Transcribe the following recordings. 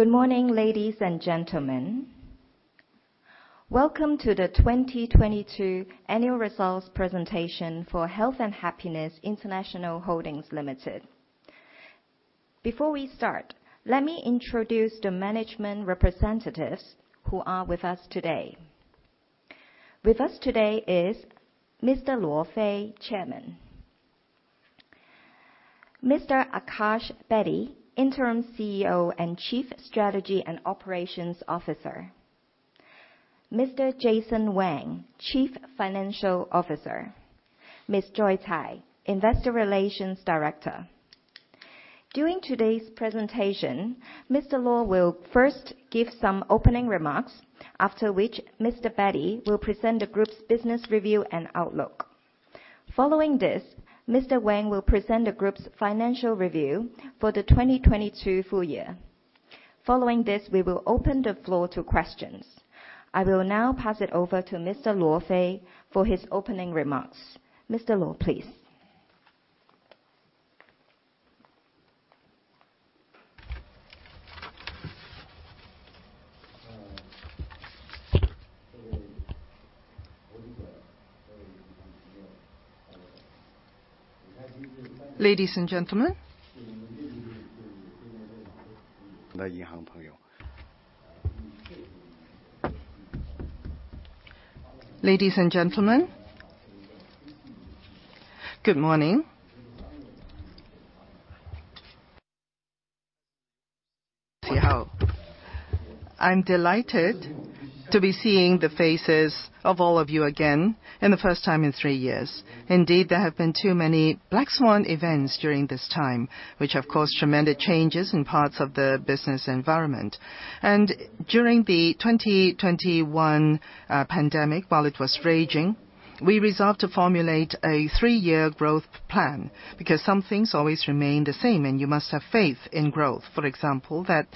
Good morning, ladies and gentlemen. Welcome to the 2022 annual results presentation for Health and Happiness International Holdings Limited. Before we start, let me introduce the management representatives who are with us today. With us today is Mr. Luo Fei, Chairman. Mr. Akash Bedi, Interim CEO and Chief Strategy and Operations Officer. Mr. Yidong Wang, Chief Financial Officer. Ms. Joy Tsai, Investor Relations Director. During today's presentation, Mr. Luo will first give some opening remarks, after which Mr. Bedi will present the group's business review and outlook. Following this, Mr. Wang will present the group's financial review for the 2022 full year. Following this, we will open the floor to questions. I will now pass it over to Mr. Luo Fei for his opening remarks. Mr. Luo, please. Ladies and gentlemen, Ladies and gentlemen, good morning. See how. I'm delighted to be seeing the faces of all of you again in the first time in 3 years. Indeed, there have been too many black swan events during this time, which have caused tremendous changes in parts of the business environment. During the 2021 pandemic, while it was raging, we resolved to formulate a 3-year growth plan because some things always remain the same and you must have faith in growth. For example, that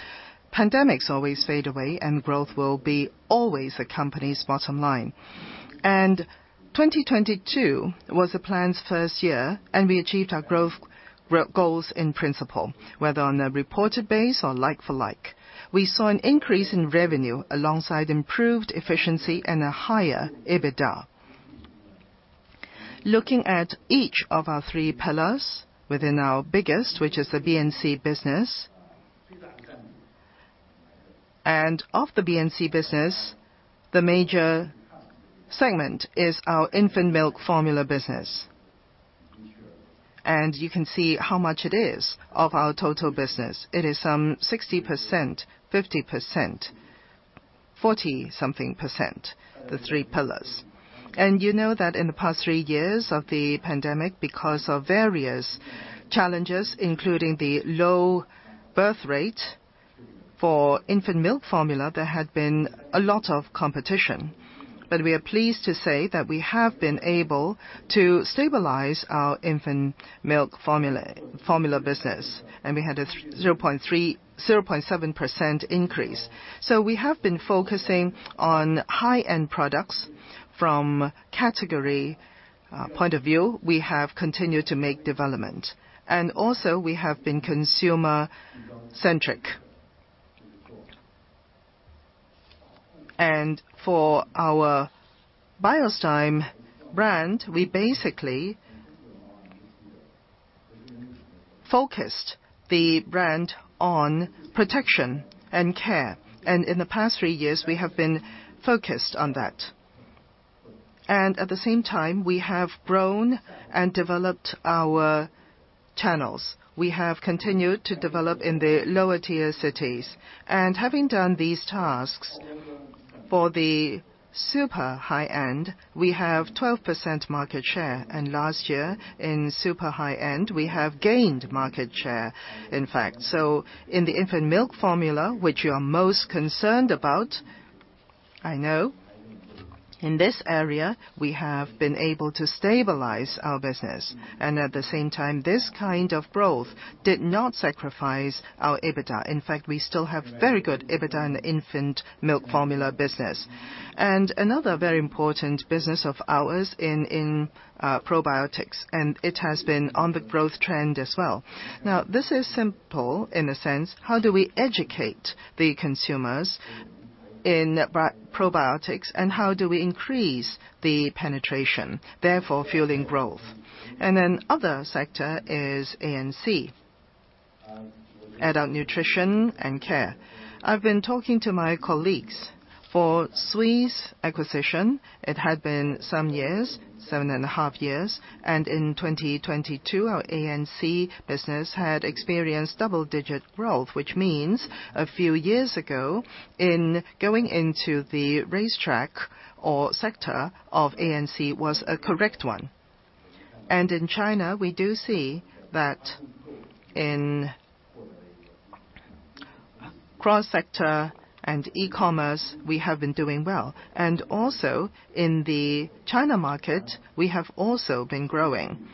pandemics always fade away and growth will be always a company's bottom line. 2022 was the plan's first year, and we achieved our growth goals in principle, whether on a reported base or like for like. We saw an increase in revenue alongside improved efficiency and a higher EBITDA. Looking at each of our three pillars within our biggest, which is the BNC business. Of the BNC business, the major segment is our infant milk formula business. You can see how much it is of our total business. It is some 60%, 50%, 40 something %, the three pillars. You know that in the past three years of the pandemic, because of various challenges, including the low birth rate for infant milk formula, there had been a lot of competition. We are pleased to say that we have been able to stabilize our infant milk formula business, and we had a 0.7% increase. We have been focusing on high-end products. From category point of view, we have continued to make development. Also, we have been consumer centric. For our Biostime brand, we basically focused the brand on protection and care. In the past 3 years, we have been focused on that. At the same time, we have grown and developed our channels. We have continued to develop in the lower tier cities. Having done these tasks for the super high-end, we have 12% market share. Last year in super high-end, we have gained market share, in fact. In the infant milk formula, which you are most concerned about, I know, in this area, we have been able to stabilize our business. At the same time, this kind of growth did not sacrifice our EBITDA. In fact, we still have very good EBITDA in the infant milk formula business. Another very important business of ours in probiotics, and it has been on the growth trend as well. This is simple in a sense, how do we educate the consumers in probiotics and how do we increase the penetration, therefore fueling growth? Other sector is ANC, Adult Nutrition and Care. I've been talking to my colleagues for Swisse acquisition, it had been some years, seven and a half years. In 2022, our ANC business had experienced double-digit growth, which means a few years ago in going into the racetrack or sector of ANC was a correct one. In China, we do see that in cross-sector and e-commerce, we have been doing well. Also in the China market, we have also been growing.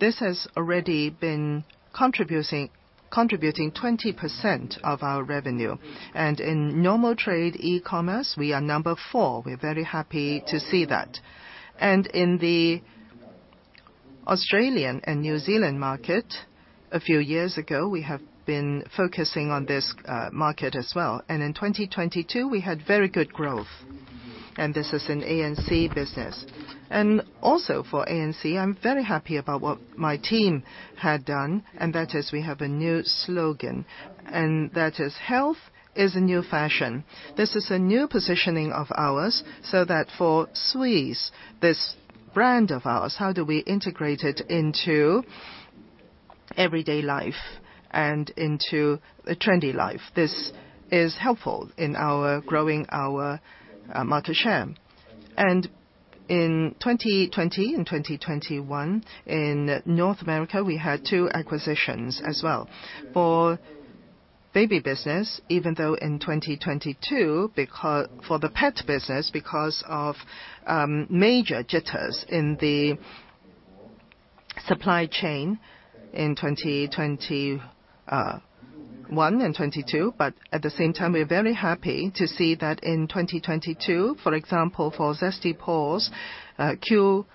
This has already been contributing 20% of our revenue. In normal trade e-commerce, we are number four. We're very happy to see that. In the Australian and New Zealand market, a few years ago, we have been focusing on this market as well. In 2022, we had very good growth, and this is in ANC business. Also, for ANC, I'm very happy about what my team had done, and that is we have a new slogan, and that is Health is the New Fashion. This is a new positioning of ours, so that for Swisse, this brand of ours, how do we integrate it into everyday life and into a trendy life? This is helpful in our growing our market share. In 2020 and 2021, in North America, we had 2 acquisitions as well. For baby business, even though in 2022, because. For the pet business, because of major jitters in the supply chain in 2021 and 2022, but at the same time, we're very happy to see that in 2022, for example, for Zesty Paws, Q2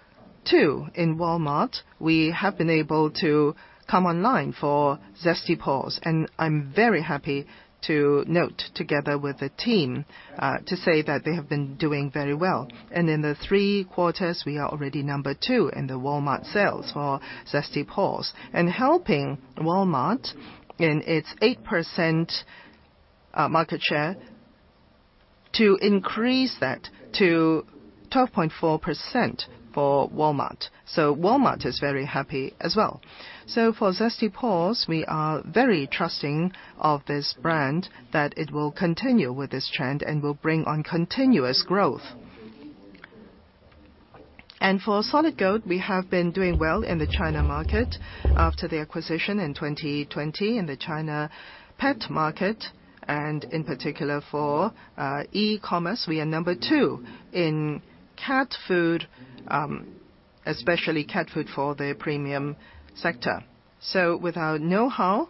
in Walmart, we have been able to come online for Zesty Paws. I'm very happy to note together with the team to say that they have been doing very well. In the 3 quarters, we are already number 2 in the Walmart sales for Zesty Paws. Helping Walmart in its 8% market share to increase that to 12.4% for Walmart. Walmart is very happy as well. For Zesty Paws, we are very trusting of this brand that it will continue with this trend and will bring on continuous growth. For Solid Gold, we have been doing well in the China market after the acquisition in 2020 in the China pet market. In particular for e-commerce, we are number two in cat food, especially cat food for the premium sector. With our know-how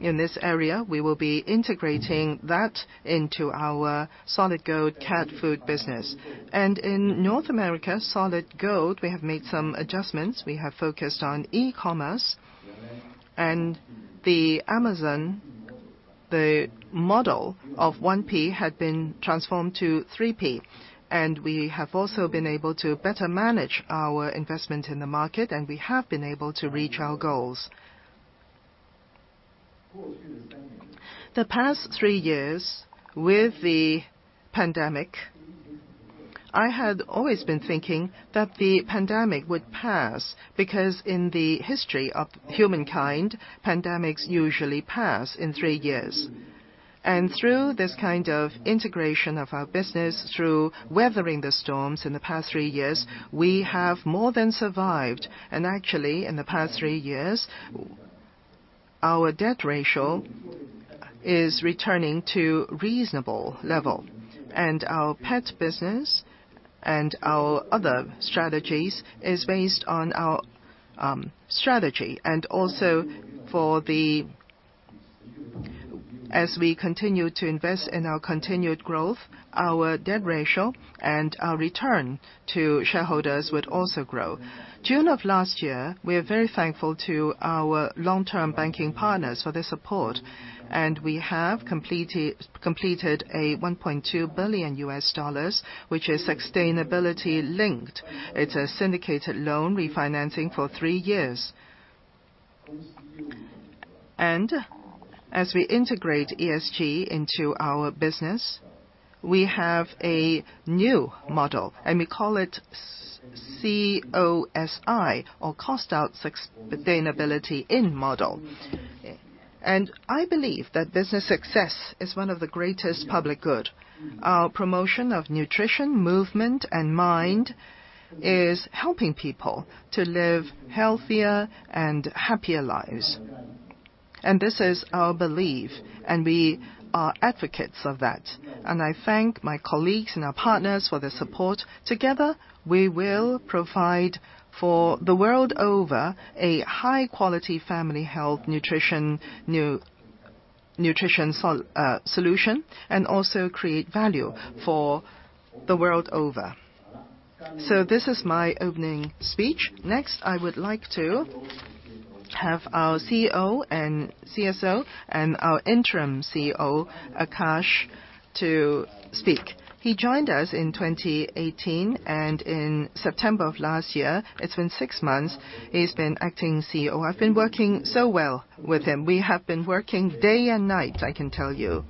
in this area, we will be integrating that into our Solid Gold cat food business. In North America, Solid Gold, we have made some adjustments. We have focused on e-commerce and Amazon, the model of 1P had been transformed to 3P. We have also been able to better manage our investment in the market, and we have been able to reach our goals. The past three years with the pandemic, I had always been thinking that the pandemic would pass because in the history of humankind, pandemics usually pass in three years. Through this kind of integration of our business, through weathering the storms in the past three years, we have more than survived. Actually, in the past three years, our debt ratio is returning to reasonable level. Our pet business and our other strategies is based on our strategy. As we continue to invest in our continued growth, our debt ratio and our return to shareholders would also grow. June of last year, we are very thankful to our long-term banking partners for their support, we have completed a $1.2 billion, which is sustainability-linked. It's a syndicated loan refinancing for three years. As we integrate ESG into our business, we have a new model, and we call it COSI or Cost Out Sustainability In model. I believe that business success is one of the greatest public good. Our promotion of nutrition, movement, and mind is helping people to live healthier and happier lives. This is our belief, and we are advocates of that. I thank my colleagues and our partners for their support. Together, we will provide for the world over a high-quality family health nutrition solution and also create value for the world over. This is my opening speech. Next, I would like to have our CEO and CSO and our interim CEO, Akash, to speak. He joined us in 2018, and in September of last year, it's been 6 months he's been acting CEO. I've been working so well with him. We have been working day and night, I can tell you.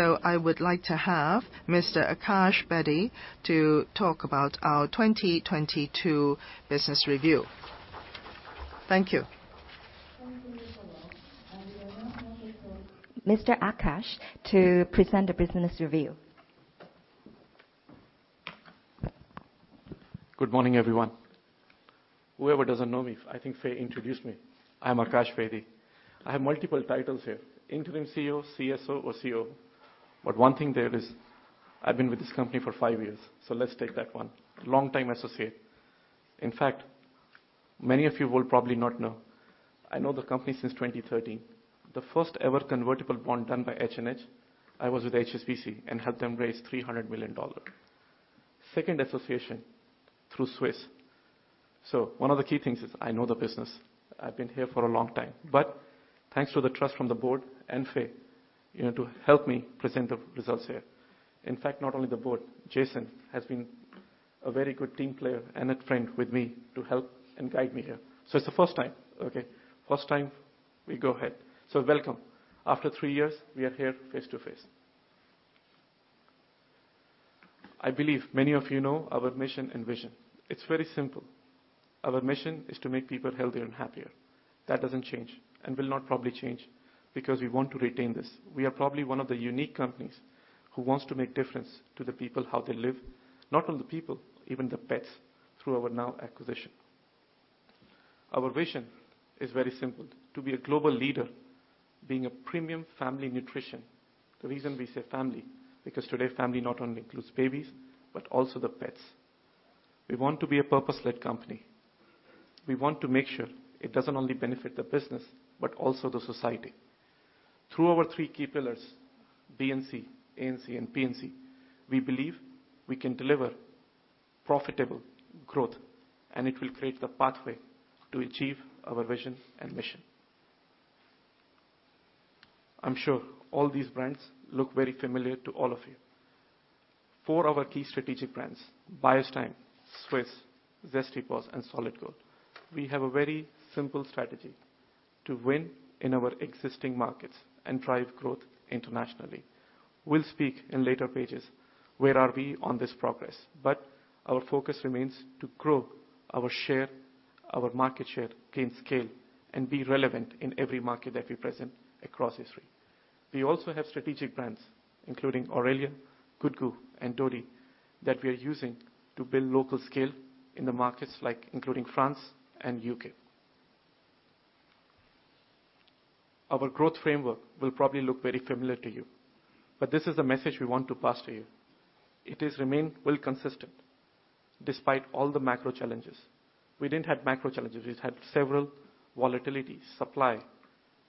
I would like to have Mr. Akash Bedi to talk about our 2022 business review. Thank you. Thank you, Ms. Tsai. We are now looking for Mr. Akash to present the business review. Good morning, everyone. Whoever doesn't know me, I think Faye introduced me. I'm Akash Bedi. I have multiple titles here, interim CEO, CSO or CO. One thing there is, I've been with this company for 5 years. Let's take that one. Long time associate. In fact, many of you will probably not know, I know the company since 2013. The first ever convertible bond done by H&H, I was with HSBC and helped them raise $300 million. Second association through Swisse. One of the key things is I know the business. I've been here for a long time. Thanks to the trust from the board and Faye, you know, to help me present the results here. In fact, not only the board, Jason has been a very good team player and a friend with me to help and guide me here. It's the first time, okay? First time we go ahead. Welcome. After three years, we are here face-to-face. I believe many of you know our mission and vision. It's very simple. Our mission is to make people healthier and happier. That doesn't change and will not probably change because we want to retain this. We are probably one of the unique companies who wants to make difference to the people, how they live, not only the people, even the pets, through our Now acquisition. Our vision is very simple: to be a global leader, being a premium family nutrition. The reason we say family, because today family not only includes babies, but also the pets. We want to be a purpose-led company. We want to make sure it doesn't only benefit the business, but also the society. Through our three key pillars, B&C, A&C, and P&C, we believe we can deliver profitable growth, and it will create the pathway to achieve our vision and mission. I'm sure all these brands look very familiar to all of you. Four of our key strategic brands, Beiersdorf, Swisse, Zesty Paws, and Solid Gold. We have a very simple strategy: to win in our existing markets and drive growth internationally. We'll speak in later pages, where are we on this progress. Our focus remains to grow our share, our market share, gain scale, and be relevant in every market that we present across history. We also have strategic brands, including Aurelia, Good Goût, and Dodie, that we are using to build local scale in the markets like including France and U.K. Our growth framework will probably look very familiar to you, but this is the message we want to pass to you. It is remain well consistent despite all the macro challenges. We didn't have macro challenges. We've had several volatilities, supply,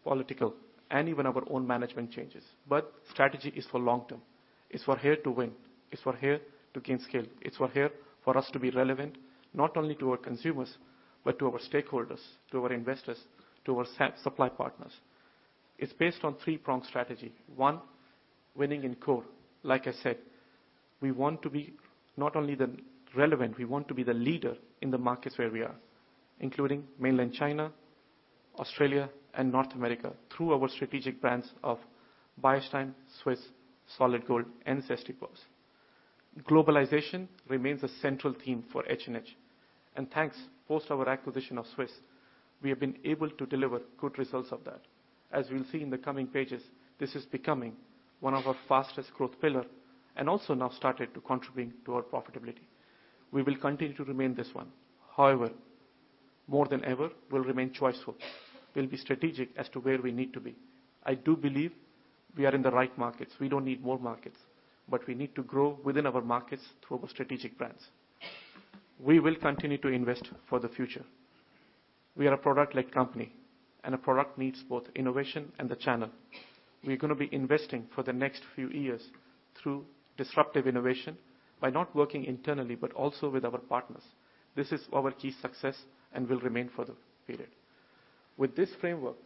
political, and even our own management changes. But strategy is for long-term. It's for here to win. It's for here to gain scale. It's for here for us to be relevant, not only to our consumers, but to our stakeholders, to our investors, to our supply partners. It's based on three-prong strategy. One, winning in core. Like I said, we want to be not only the relevant, we want to be the leader in the markets where we are, including Mainland China, Australia, and North America, through our strategic brands of Beiersdorf, Swisse, Solid Gold, and Zesty Paws. Globalization remains a central theme for H&H. Thanks, post our acquisition of Swisse, we have been able to deliver good results of that. As we'll see in the coming pages, this is becoming one of our fastest growth pillar and also now started to contributing to our profitability. We will continue to remain this one. However, more than ever, we'll remain choiceful. We'll be strategic as to where we need to be. I do believe we are in the right markets. We don't need more markets, but we need to grow within our markets through our strategic brands. We will continue to invest for the future. We are a product-led company, and a product needs both innovation and the channel. We're gonna be investing for the next few years through disruptive innovation by not working internally, but also with our partners. This is our key success and will remain for the period. With this framework,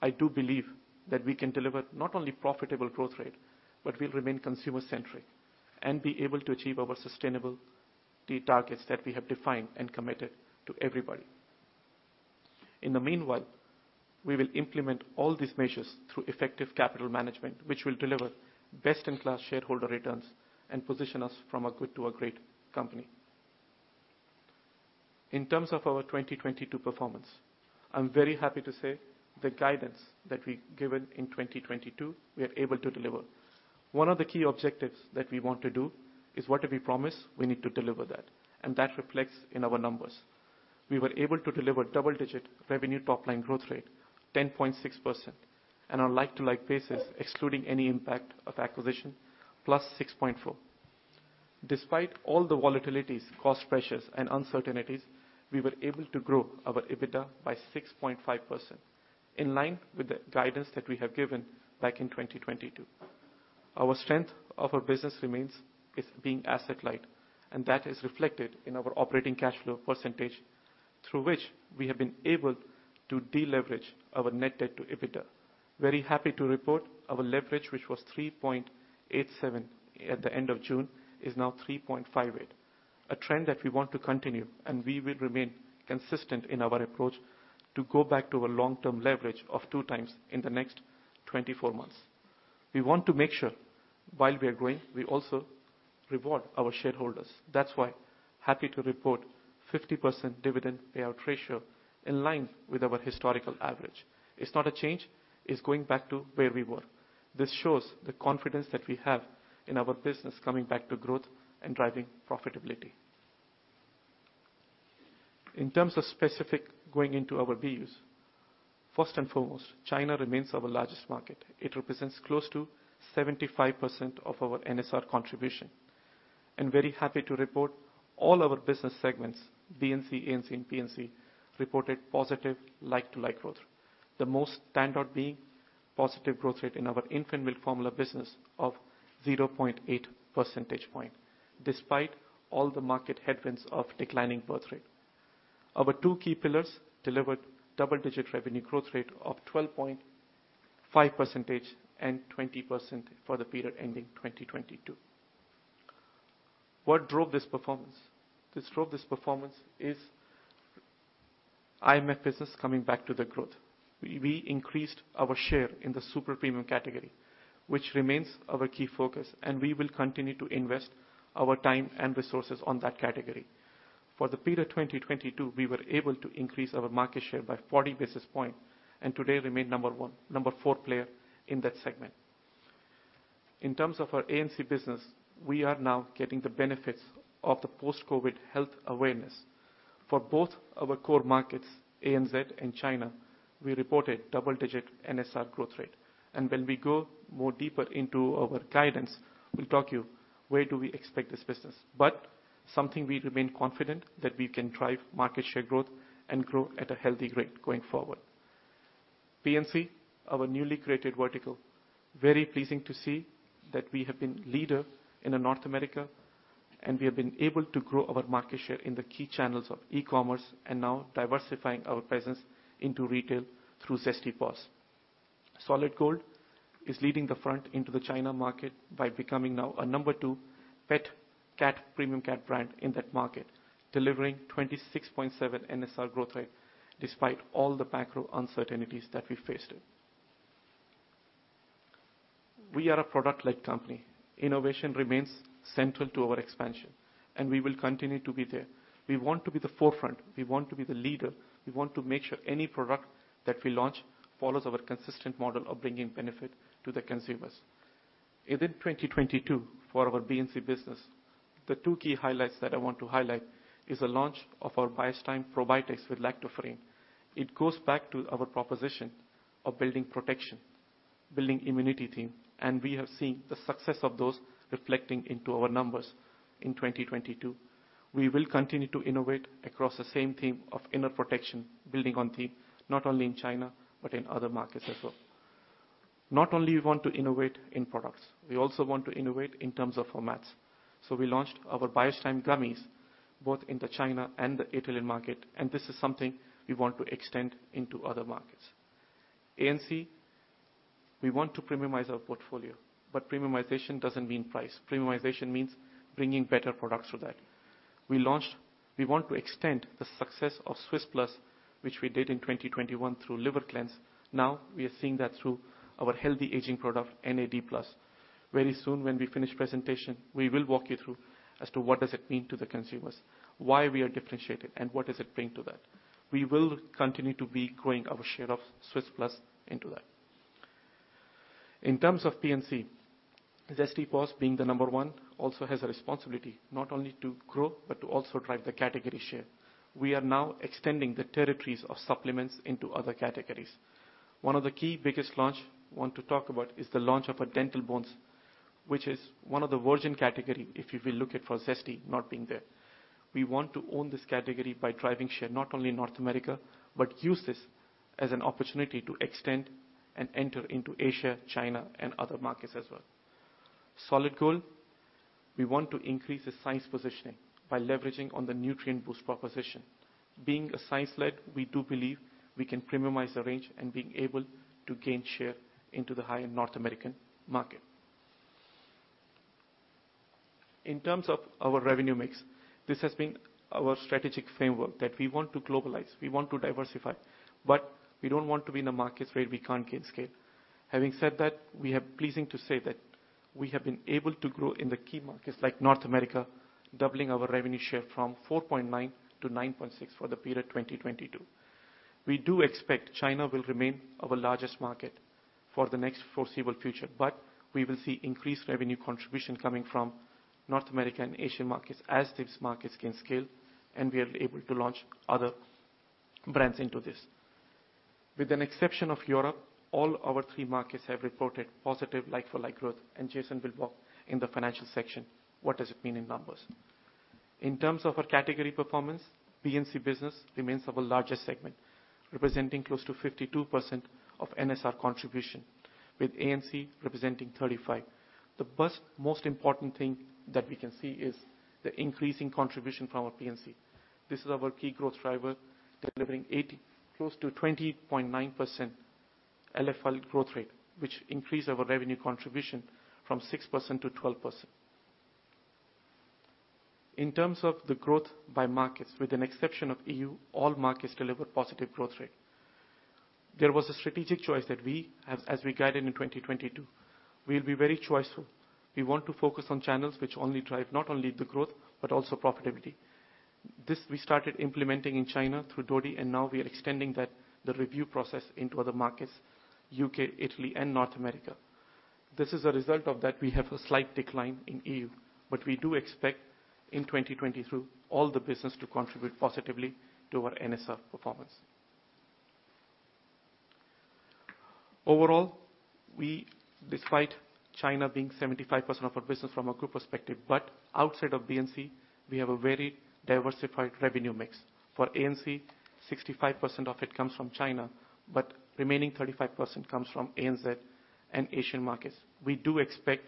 I do believe that we can deliver not only profitable growth rate, but we'll remain consumer-centric and be able to achieve our sustainable key targets that we have defined and committed to everybody. In the meanwhile, we will implement all these measures through effective capital management, which will deliver best-in-class shareholder returns and position us from a good to a great company. In terms of our 2022 performance, I'm very happy to say the guidance that we've given in 2022, we are able to deliver. One of the key objectives that we want to do is whatever we promise, we need to deliver that, and that reflects in our numbers. We were able to deliver double-digit revenue top line growth rate, 10.6%, and on like-to-like basis, excluding any impact of acquisition, +6.4%. Despite all the volatilities, cost pressures and uncertainties, we were able to grow our EBITDA by 6.5%, in line with the guidance that we have given back in 2022. Our strength of our business remains is being asset light, and that is reflected in our operating cash flow percentage, through which we have been able to deleverage our net debt to EBITDA. Very happy to report our leverage, which was 3.87 at the end of June, is now 3.58. A trend that we want to continue, and we will remain consistent in our approach to go back to a long-term leverage of 2x in the next 24 months. We want to make sure while we are growing, we also reward our shareholders. That's why happy to report 50% dividend payout ratio in line with our historical average. It's not a change; it's going back to where we were. This shows the confidence that we have in our business coming back to growth and driving profitability. In terms of specific going into our views, first and foremost, China remains our largest market. It represents close to 75% of our NSR contribution. Very happy to report all our business segments, BNC, ANC, and PNC, reported positive like-to-like growth. The most standout being positive growth rate in our infant milk formula business of 0.8 percentage point, despite all the market headwinds of declining birth rate. Our two key pillars delivered double-digit revenue growth rate of 12.5% and 20% for the period ending 2022. What drove this performance? IMF business coming back to the growth. We increased our share in the super premium category, which remains our key focus, and we will continue to invest our time and resources on that category. For the period 2022, we were able to increase our market share by 40 basis point, and today remain number one, number four player in that segment. In terms of our ANC business, we are now getting the benefits of the post-COVID health awareness. For both our core markets, ANZ and China, we reported double-digit NSR growth rate. When we go more deeper into our guidance, we'll talk you where do we expect this business. Something we remain confident that we can drive market share growth and grow at a healthy rate going forward. PNC, our newly created vertical, very pleasing to see that we have been leader in the North America, and we have been able to grow our market share in the key channels of e-commerce and now diversifying our presence into retail through Zesty Paws. Solid Gold is leading the front into the China market by becoming now a number two premium cat brand in that market, delivering 26.7% NSR growth rate despite all the macro uncertainties that we faced it. We are a product-led company. Innovation remains central to our expansion, and we will continue to be there. We want to be the forefront. We want to be the leader. We want to make sure any product that we launch follows our consistent model of bringing benefit to the consumers. Within 2022, for our BNC business, the two key highlights that I want to highlight is the launch of our Biostime Probiotics with lactoferrin. It goes back to our proposition of building protection, building immunity theme. We have seen the success of those reflecting into our numbers in 2022. We will continue to innovate across the same theme of inner protection, building on theme not only in China, but in other markets as well. Not only we want to innovate in products, we also want to innovate in terms of formats. We launched our Biostime Gummies both in the China and the Italian market. This is something we want to extend into other markets. ANC, we want to premiumize our portfolio. Premiumization doesn't mean price. Premiumization means bringing better products to that. We want to extend the success of Swisse Plus, which we did in 2021 through Liver Cleanse. We are seeing that through our healthy aging product, NAD+. Very soon, when we finish presentation, we will walk you through as to what does it mean to the consumers, why we are differentiated, and what does it bring to that. We will continue to be growing our share of Swisse Plus into that. In terms of PNC, Zesty Paws being the number 1 also has a responsibility not only to grow, but to also drive the category share. We are now extending the territories of supplements into other categories. One of the key biggest launch I want to talk about is the launch of our Dental Bones, which is one of the virgin category, if you will look at for Zesty not being there. We want to own this category by driving share not only in North America, but use this as an opportunity to extend and enter into Asia, China, and other markets as well. Solid Gold, we want to increase the size positioning by leveraging on the nutrient boost proposition. Being a size-led, we do believe we can premiumize the range and being able to gain share into the high-end North American market. In terms of our revenue mix, this has been our strategic framework that we want to globalize, we want to diversify, but we don't want to be in the markets where we can't gain scale. Having said that, we are pleasing to say that we have been able to grow in the key markets like North America, doubling our revenue share from 4.9 to 9.6% for the period 2022. We do expect China will remain our largest market for the next foreseeable future, but we will see increased revenue contribution coming from North America and Asian markets as these markets gain scale and we are able to launch other brands into this. With an exception of Europe, all our three markets have reported positive like-for-like growth, and Jason will walk in the financial section what does it mean in numbers. In terms of our category performance, BNC business remains our largest segment, representing close to 52% of NSR contribution, with ANC representing 35%. The most important thing that we can see is the increasing contribution from our PNC. This is our key growth driver, delivering close to 20.9% LFL growth rate, which increase our revenue contribution from 6 to 12%. In terms of the growth by markets, with an exception of EU, all markets deliver positive growth rate. There was a strategic choice that we have as we guided in 2022. We'll be very choiceful. We want to focus on channels which only drive not only the growth, but also profitability. This we started implementing in China through Dodie, now we are extending that, the review process into other markets, UK, Italy, and North America. This is a result of that we have a slight decline in EU, we do expect in 2022 all the business to contribute positively to our NSR performance. Overall, despite China being 75% of our business from a group perspective, outside of BNC, we have a very diversified revenue mix. For ANC, 65% of it comes from China, remaining 35% comes from ANZ and Asian markets. We do expect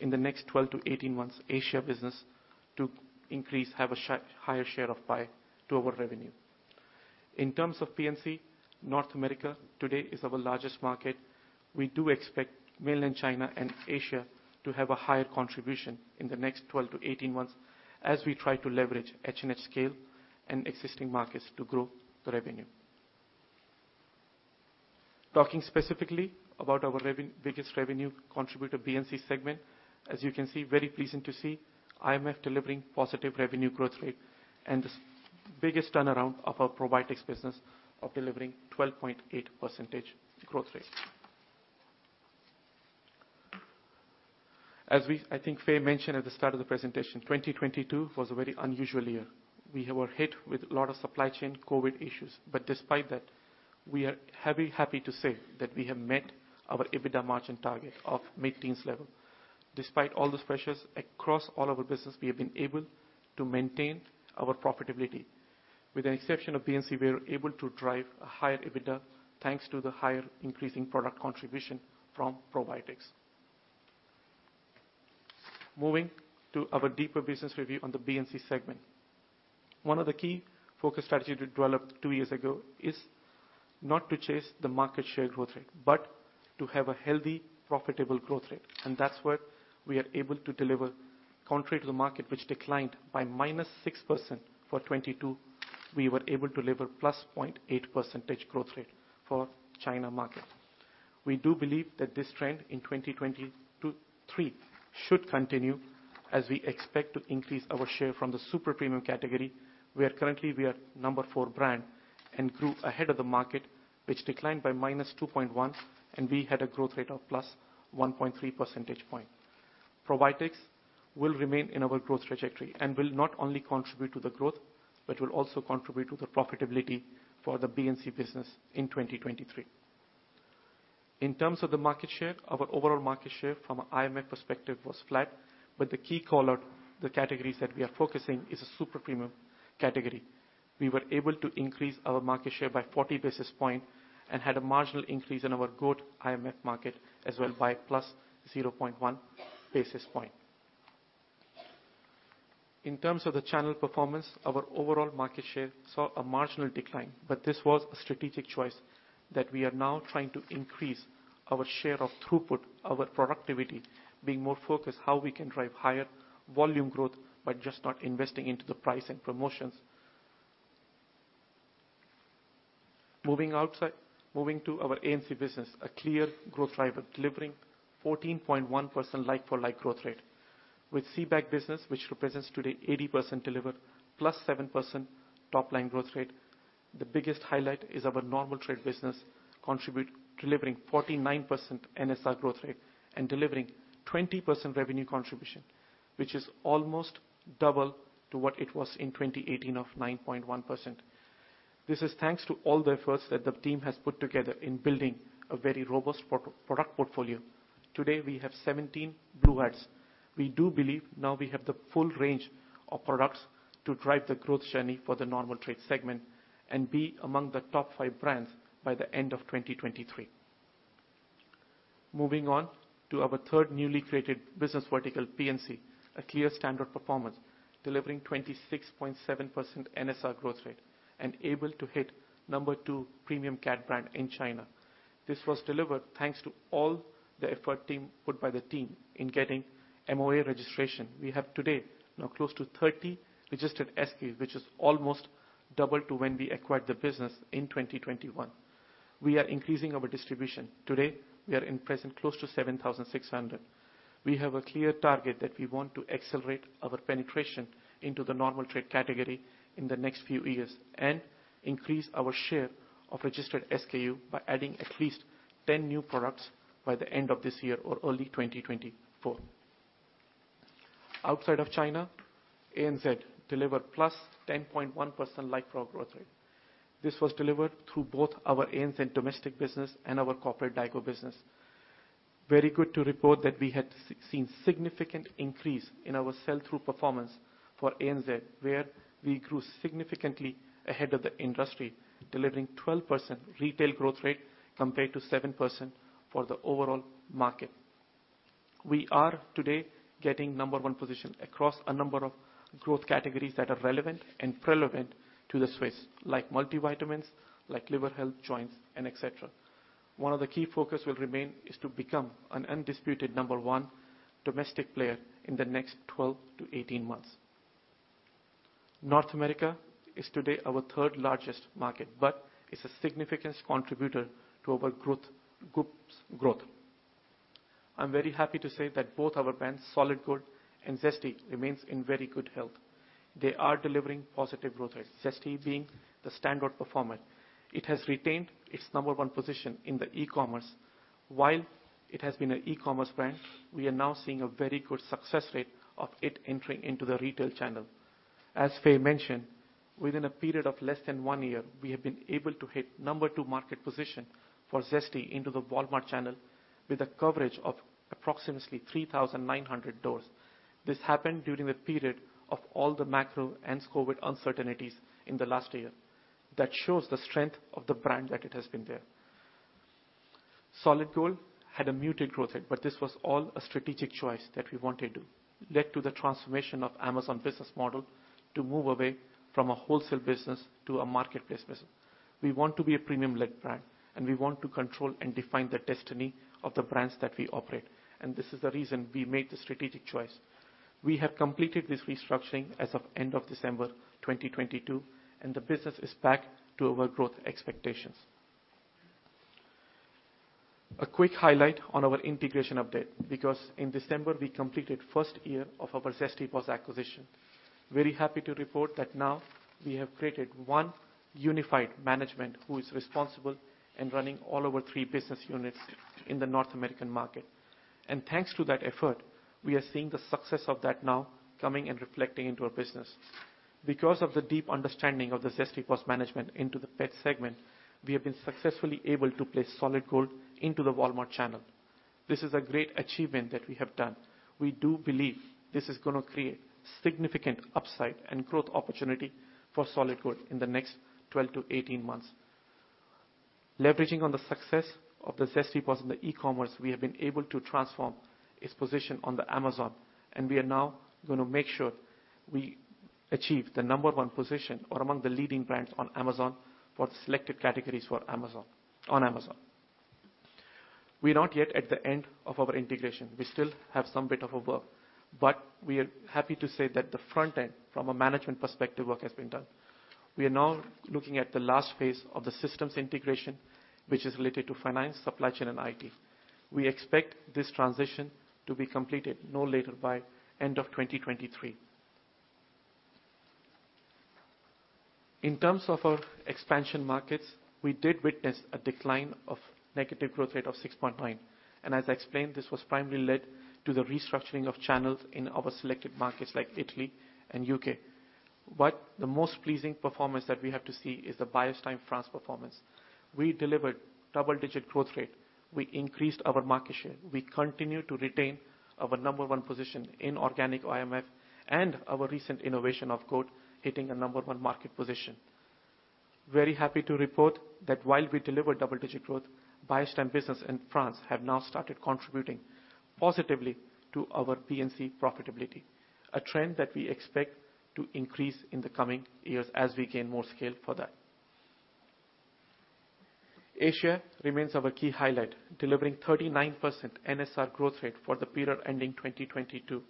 in the next 12 to 18 months Asia business to increase, have a higher share of pie to our revenue. In terms of PNC, North America today is our largest market. We do expect Mainland China and Asia to have a higher contribution in the next 12 to 18 months as we try to leverage H&H scale and existing markets to grow the revenue. Talking specifically about our biggest revenue contributor, BNC segment, as you can see, very pleasing to see IMF delivering positive revenue growth rate and the biggest turnaround of our Probiotics business of delivering 12.8% growth rate. As we I think Faye mentioned at the start of the presentation, 2022 was a very unusual year. We were hit with a lot of supply chain COVID issues, but despite that, we are happy to say that we have met our EBITDA margin target of mid-teens level. Despite all those pressures across all our business, we have been able to maintain our profitability. With the exception of BNC, we are able to drive a higher EBITDA thanks to the higher increasing product contribution from probiotics. Moving to our deeper business review on the BNC segment. One of the key focus strategy we developed two years ago is not to chase the market share growth rate, but to have a healthy, profitable growth rate, and that's what we are able to deliver. Contrary to the market which declined by -6% for 2022, we were able to deliver +0.8% growth rate for China market. We do believe that this trend in 2022 3 should continue as we expect to increase our share from the super premium category, where currently we are number four brand and grew ahead of the market, which declined by -2.1%, and we had a growth rate of +1.3 percentage point. probiotics will remain in our growth trajectory and will not only contribute to the growth, but will also contribute to the profitability for the BNC business in 2023. In terms of the market share, our overall market share from an IMF perspective was flat, but the key color, the categories that we are focusing is a super premium category. We were able to increase our market share by 40 basis point and had a marginal increase in our good IMF market as well by +0.1 basis point. In terms of the channel performance, our overall market share saw a marginal decline. This was a strategic choice that we are now trying to increase our share of throughput, our productivity, being more focused how we can drive higher volume growth by just not investing into the price and promotions. Moving to our ANC business, a clear growth driver, delivering 14.1% like-for-like growth rate. With CBEC business, which represents today 80% delivered plus 7% top-line growth rate. The biggest highlight is our normal trade business delivering 49% NSR growth rate and delivering 20% revenue contribution, which is almost double to what it was in 2018 of 9.1%. This is thanks to all the efforts that the team has put together in building a very robust port-product portfolio. Today, we have 17 Blue Hat. We do believe now we have the full range of products to drive the growth journey for the normal trade segment and be among the top five brands by the end of 2023. Moving on to our third newly created business vertical, PNC, a clear standard performance, delivering 26.7% NSR growth rate and able to hit number 2 premium cat brand in China. This was delivered thanks to all the effort put by the team in getting MOA registration. We have today now close to 30 registered SKUs, which is almost double to when we acquired the business in 2021. We are increasing our distribution. Today, we are in present close to 7,600. We have a clear target that we want to accelerate our penetration into the normal trade category in the next few years and increase our share of registered SKU by adding at least 10 new products by the end of this year or early 2024. Outside of China, ANZ delivered +10.1% LFL growth rate. This was delivered through both our ANZ and domestic business and our corporate daigou business. Very good to report that we had seen significant increase in our sell-through performance for ANZ, where we grew significantly ahead of the industry, delivering 12% retail growth rate compared to 7% for the overall market. We are today getting number one position across a number of growth categories that are relevant and prevalent to the Swisse, like multivitamins, like liver health, joints, and et cetera. One of the key focus will remain is to become an undisputed number one domestic player in the next 12 to 18 months. North America is today our third largest market, but it's a significant contributor to our group's growth. I'm very happy to say that both our brands, Solid Gold and Zesty, remains in very good health. They are delivering positive growth rates, Zesty being the standard performer. It has retained its number one position in the e-commerce. While it has been an e-commerce brand, we are now seeing a very good success rate of it entering into the retail channel. As Faye mentioned, within a period of less than one year, we have been able to hit number two market position for Zesty into the Walmart channel with a coverage of approximately 3,900 doors. This happened during the period of all the macro and COVID uncertainties in the last year. That shows the strength of the brand that it has been there. Solid Gold had a muted growth rate, but this was all a strategic choice that we wanted to lead to the transformation of Amazon business model to move away from a wholesale business to a marketplace business. We want to be a premium-led brand, and we want to control and define the destiny of the brands that we operate, and this is the reason we made the strategic choice. We have completed this restructuring as of end of December 2022, and the business is back to our growth expectations. A quick highlight on our integration update, because in December we completed first year of our Zesty Paws acquisition. Very happy to report that now we have created one unified management who is responsible in running all our three business units in the North American market. Thanks to that effort, we are seeing the success of that now coming and reflecting into our business. Because of the deep understanding of the Zesty Paws management into the pet segment, we have been successfully able to place Solid Gold into the Walmart channel. This is a great achievement that we have done. We do believe this is gonna create significant upside and growth opportunity for Solid Gold in the next 12 to 18 months. Leveraging on the success of the Zesty Paws in the e-commerce, we have been able to transform its position on Amazon, and we are now gonna make sure we achieve the number one position or among the leading brands on Amazon for selected categories on Amazon. We're not yet at the end of our integration. We still have some bit of work, but we are happy to say that the front end from a management perspective work has been done. We are now looking at the last phase of the systems integration, which is related to finance, supply chain, and IT. We expect this transition to be completed no later by end of 2023. In terms of our expansion markets, we did witness a decline of negative growth rate of 6.9%. As I explained, this was primarily led to the restructuring of channels in our selected markets like Italy and U.K. The most pleasing performance that we have to see is the Beiersdorf France performance. We delivered double-digit growth rate. We increased our market share. We continue to retain our number one position in organic OMF and our recent innovation of code, hitting a number one market position. Very happy to report that while we deliver double-digit growth, Beiersdorf business in France have now started contributing positively to our P&C profitability. A trend that we expect to increase in the coming years as we gain more scale for that. Asia remains our key highlight, delivering 39% NSR growth rate for the period ending 2022.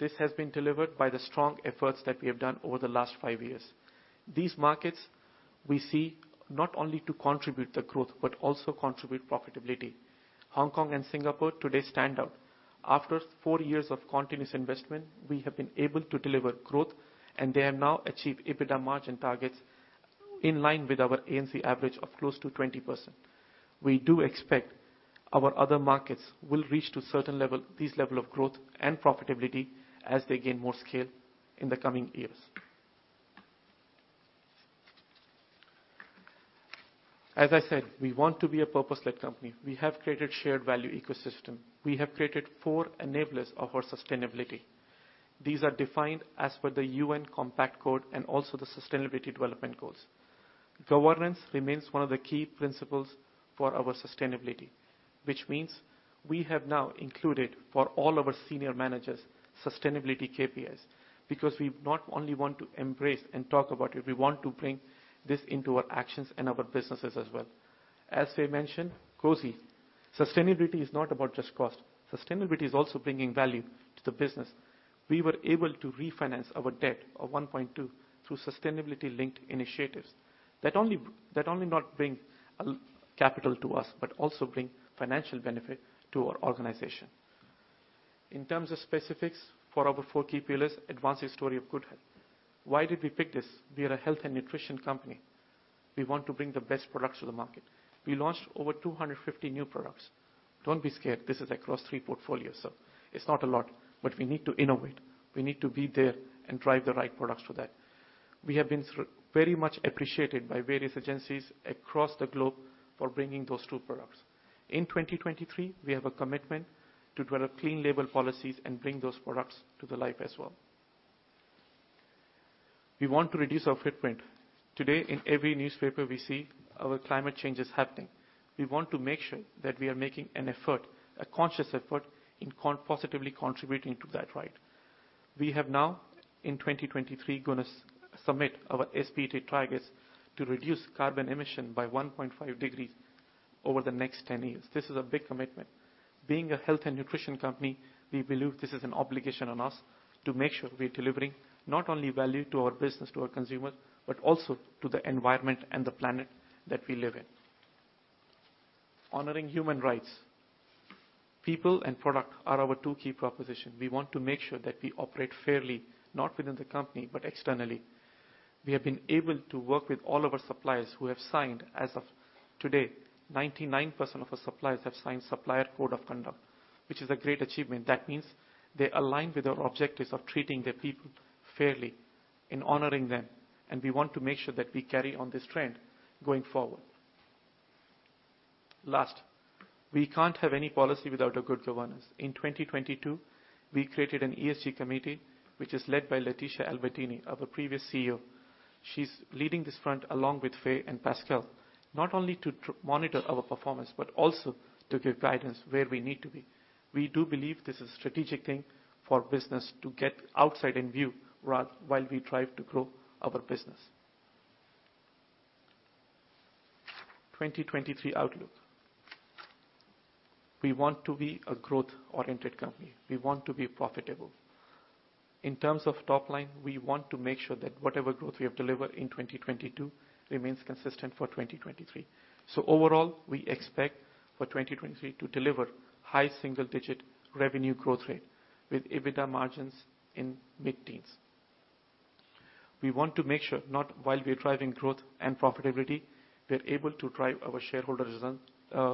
This has been delivered by the strong efforts that we have done over the last 5 years. These markets we see not only to contribute the growth but also contribute profitability. Hong Kong and Singapore today stand out. After 4 years of continuous investment, we have been able to deliver growth, and they have now achieved EBITDA margin targets in line with our ANC average of close to 20%. We do expect our other markets will reach this level of growth and profitability as they gain more scale in the coming years. As I said, we want to be a purpose-led company. We have created shared value ecosystem. We have created 4 enablers of our sustainability. These are defined as per the UN Global Compact and also the Sustainable Development Goals. Governance remains one of the key principles for our sustainability, which means we have now included for all our senior managers sustainability KPIs. We not only want to embrace and talk about it, we want to bring this into our actions and our businesses as well. As we mentioned, COSI. Sustainability is not about just cost. Sustainability is also bringing value to the business. We were able to refinance our debt of $1.2 billion through sustainability-linked initiatives that only not bring capital to us, but also bring financial benefit to our organization. In terms of specifics for our four key pillars, advancing story of good health. Why did we pick this? We are a health and nutrition company. We want to bring the best products to the market. We launched over 250 new products. Don't be scared, this is across three portfolios, so it's not a lot, but we need to innovate. We need to be there and drive the right products for that. We have been very much appreciated by various agencies across the globe for bringing those two products. In 2023, we have a commitment to develop clean label policies and bring those products to the life as well. We want to reduce our footprint. Today, in every newspaper, we see our climate change is happening. We want to make sure that we are making an effort, a conscious effort in positively contributing to that, right? We have now, in 2023, gonna submit our SBT targets to reduce carbon emission by 1.5 degrees over the next 10 years. This is a big commitment. Being a health and nutrition company, we believe this is an obligation on us to make sure we're delivering not only value to our business, to our consumers, but also to the environment and the planet that we live in. Honoring human rights. People and product are our two key propositions. We want to make sure that we operate fairly, not within the company, but externally. We have been able to work with all of our suppliers who have signed as of today, 99% of the suppliers have signed Supplier Code of Conduct, which is a great achievement. That means they align with our objectives of treating their people fairly and honoring them. We want to make sure that we carry on this trend going forward. Last, we can't have any policy without a good governance. 2022, we created an ESG committee which is led by Laetitia Albertini, our previous CEO. She's leading this front along with Faye and Pascal, not only to monitor our performance, but also to give guidance where we need to be. We do believe this is a strategic thing for business to get outside in view while we try to grow our business. 2023 outlook. We want to be a growth-oriented company. We want to be profitable. In terms of top line, we want to make sure that whatever growth we have delivered in 2022 remains consistent for 2023. Overall, we expect for 2023 to deliver high single-digit revenue growth rate with EBITDA margins in mid-teens. We want to make sure not while we are driving growth and profitability, we're able to drive our shareholder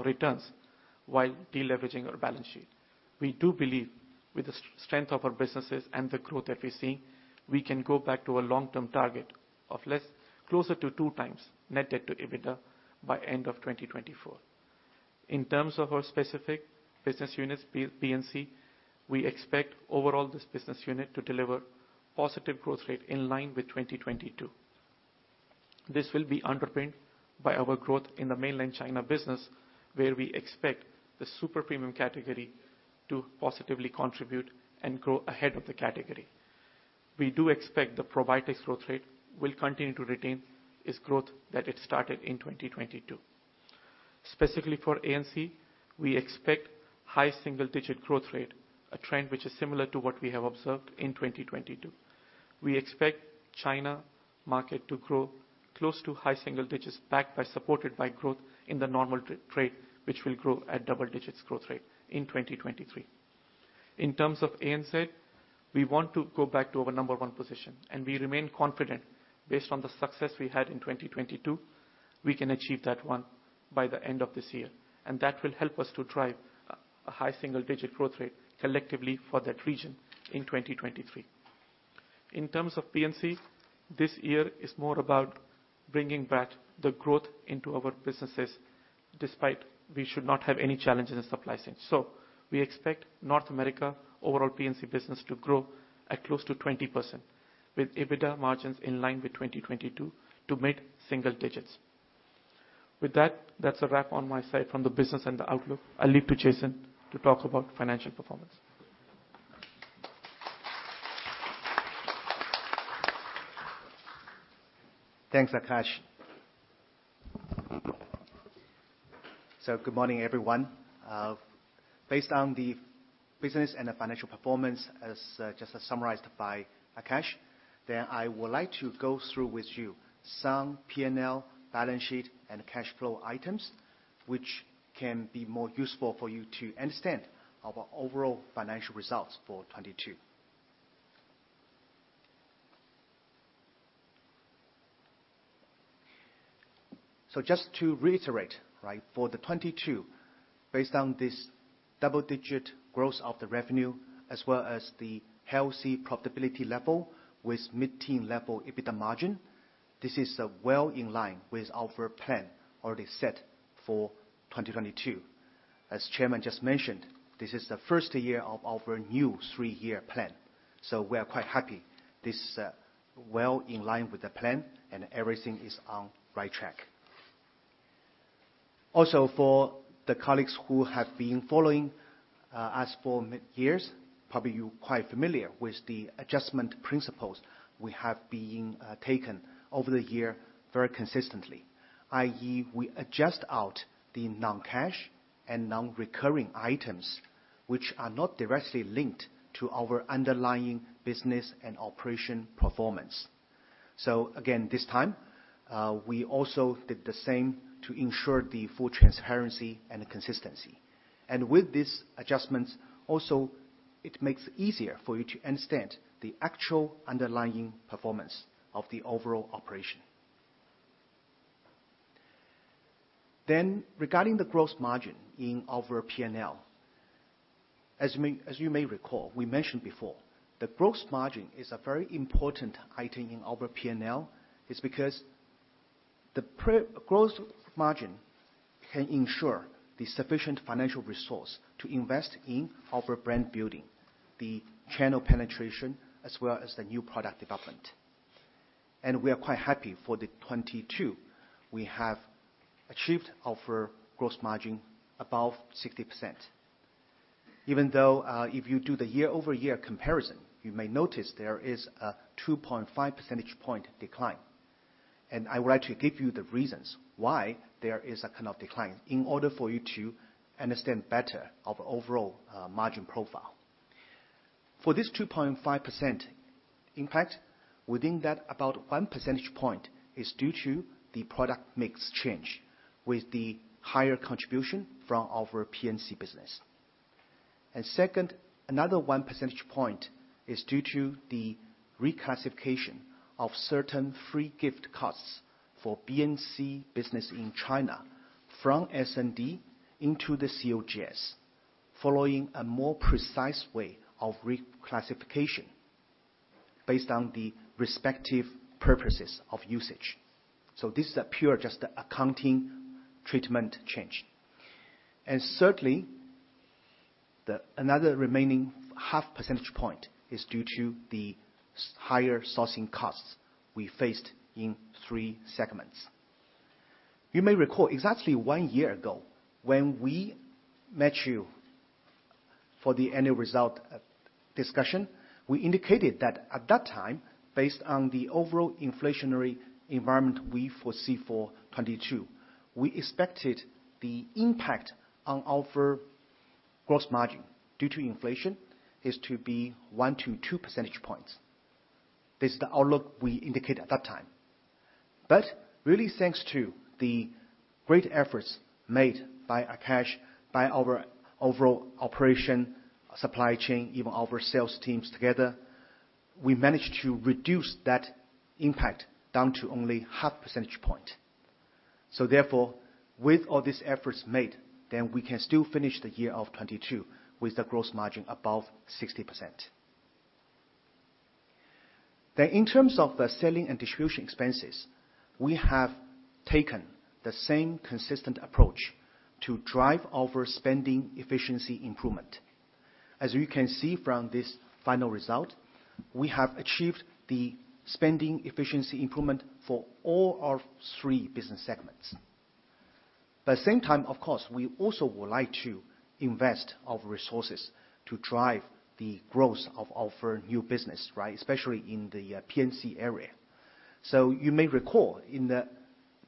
returns while deleveraging our balance sheet. We do believe with the strength of our businesses and the growth that we're seeing, we can go back to our long-term target of closer to 2 times net debt to EBITDA by end of 2024. In terms of our specific business units, PNC, we expect overall this business unit to deliver positive growth rate in line with 2022. This will be underpinned by our growth in the Mainland China business, where we expect the super premium category to positively contribute and grow ahead of the category. We do expect the probiotics growth rate will continue to retain its growth that it started in 2022. Specifically for ANC, we expect high single-digit growth rate, a trend which is similar to what we have observed in 2022. We expect China market to grow close to high single digits, supported by growth in the normal trade, which will grow at double digits growth rate in 2023. In terms of ANZ, we want to go back to our number one position. We remain confident based on the success we had in 2022, we can achieve that one by the end of this year. That will help us to drive a high single-digit growth rate collectively for that region in 2023. In terms of PNC, this year is more about bringing back the growth into our businesses, despite we should not have any challenges in supply chain. We expect North America overall PNC business to grow at close to 20% with EBITDA margins in line with 2022 to mid-single digits. With that's a wrap on my side from the business and the outlook. I leave to Jason to talk about financial performance. Thanks, Akash. Good morning, everyone. Based on the business and the financial performance as just as summarized by Akash, then I would like to through with you some P&L balance sheet and cash flow items, which can be more useful for you to understand our overall financial results for 22. Just to reiterate, right? For the 22, based on this double-digit growth of the revenue as well as the healthy profitability level with mid-teen level EBITDA margin, this is well in line with our plan already set for 2022. As Chairman just mentioned, this is the first year of our new 3-year plan, we are quite happy. This well in line with the plan, and everything is on right track. For the colleagues who have been following us for years, probably you're quite familiar with the adjustment principles we have been taken over the year very consistently, i.e., we adjust out the non-cash and non-recurring items which are not directly linked to our underlying business and operation performance. Again, this time, we also did the same to ensure the full transparency and consistency. With these adjustments, also it makes it easier for you to understand the actual underlying performance of the overall operation. Regarding the growth margin in our P&L. As you may recall, we mentioned before that growth margin is a very important item in our P&L. It's because the growth margin can ensure the sufficient financial resource to invest in our brand building, the channel penetration, as well as the new product development. We are quite happy for 2022. We have achieved our growth margin above 60%. Even though, if you do the year-over-year comparison, you may notice there is a 2.5 percentage point decline. I would like to give you the reasons why there is a kind of decline in order for you to understand better our overall margin profile. For this 2.5% impact, within that about 1 percentage point is due to the product mix change with the higher contribution from our PNC business. Second, another 1 percentage point is due to the reclassification of certain free gift costs for BNC business in China from S&D into the COGS, following a more precise way of reclassification. Based on the respective purposes of usage. This is a pure just accounting treatment change. The another remaining half percentage point is due to the higher sourcing costs we faced in 3 segments. You may recall exactly 1 year ago, when we met you for the annual result discussion, we indicated that at that time, based on the overall inflationary environment we foresee for 2022, we expected the impact on our gross margin due to inflation is to be 1-2 percentage points. This is the outlook we indicated at that time. Thanks to the great efforts made by Akash, by our overall operation supply chain, even our sales teams together, we managed to reduce that impact down to only half percentage point. With all these efforts made, we can still finish the year of 2022 with the gross margin above 60%. In terms of the Selling and Distribution expenses, we have taken the same consistent approach to drive our spending efficiency improvement. As you can see from this final result, we have achieved the spending efficiency improvement for all our three business segments. At the same time, of course, we also would like to invest our resources to drive the growth of our new business, right? Especially in the PNC area. You may recall in the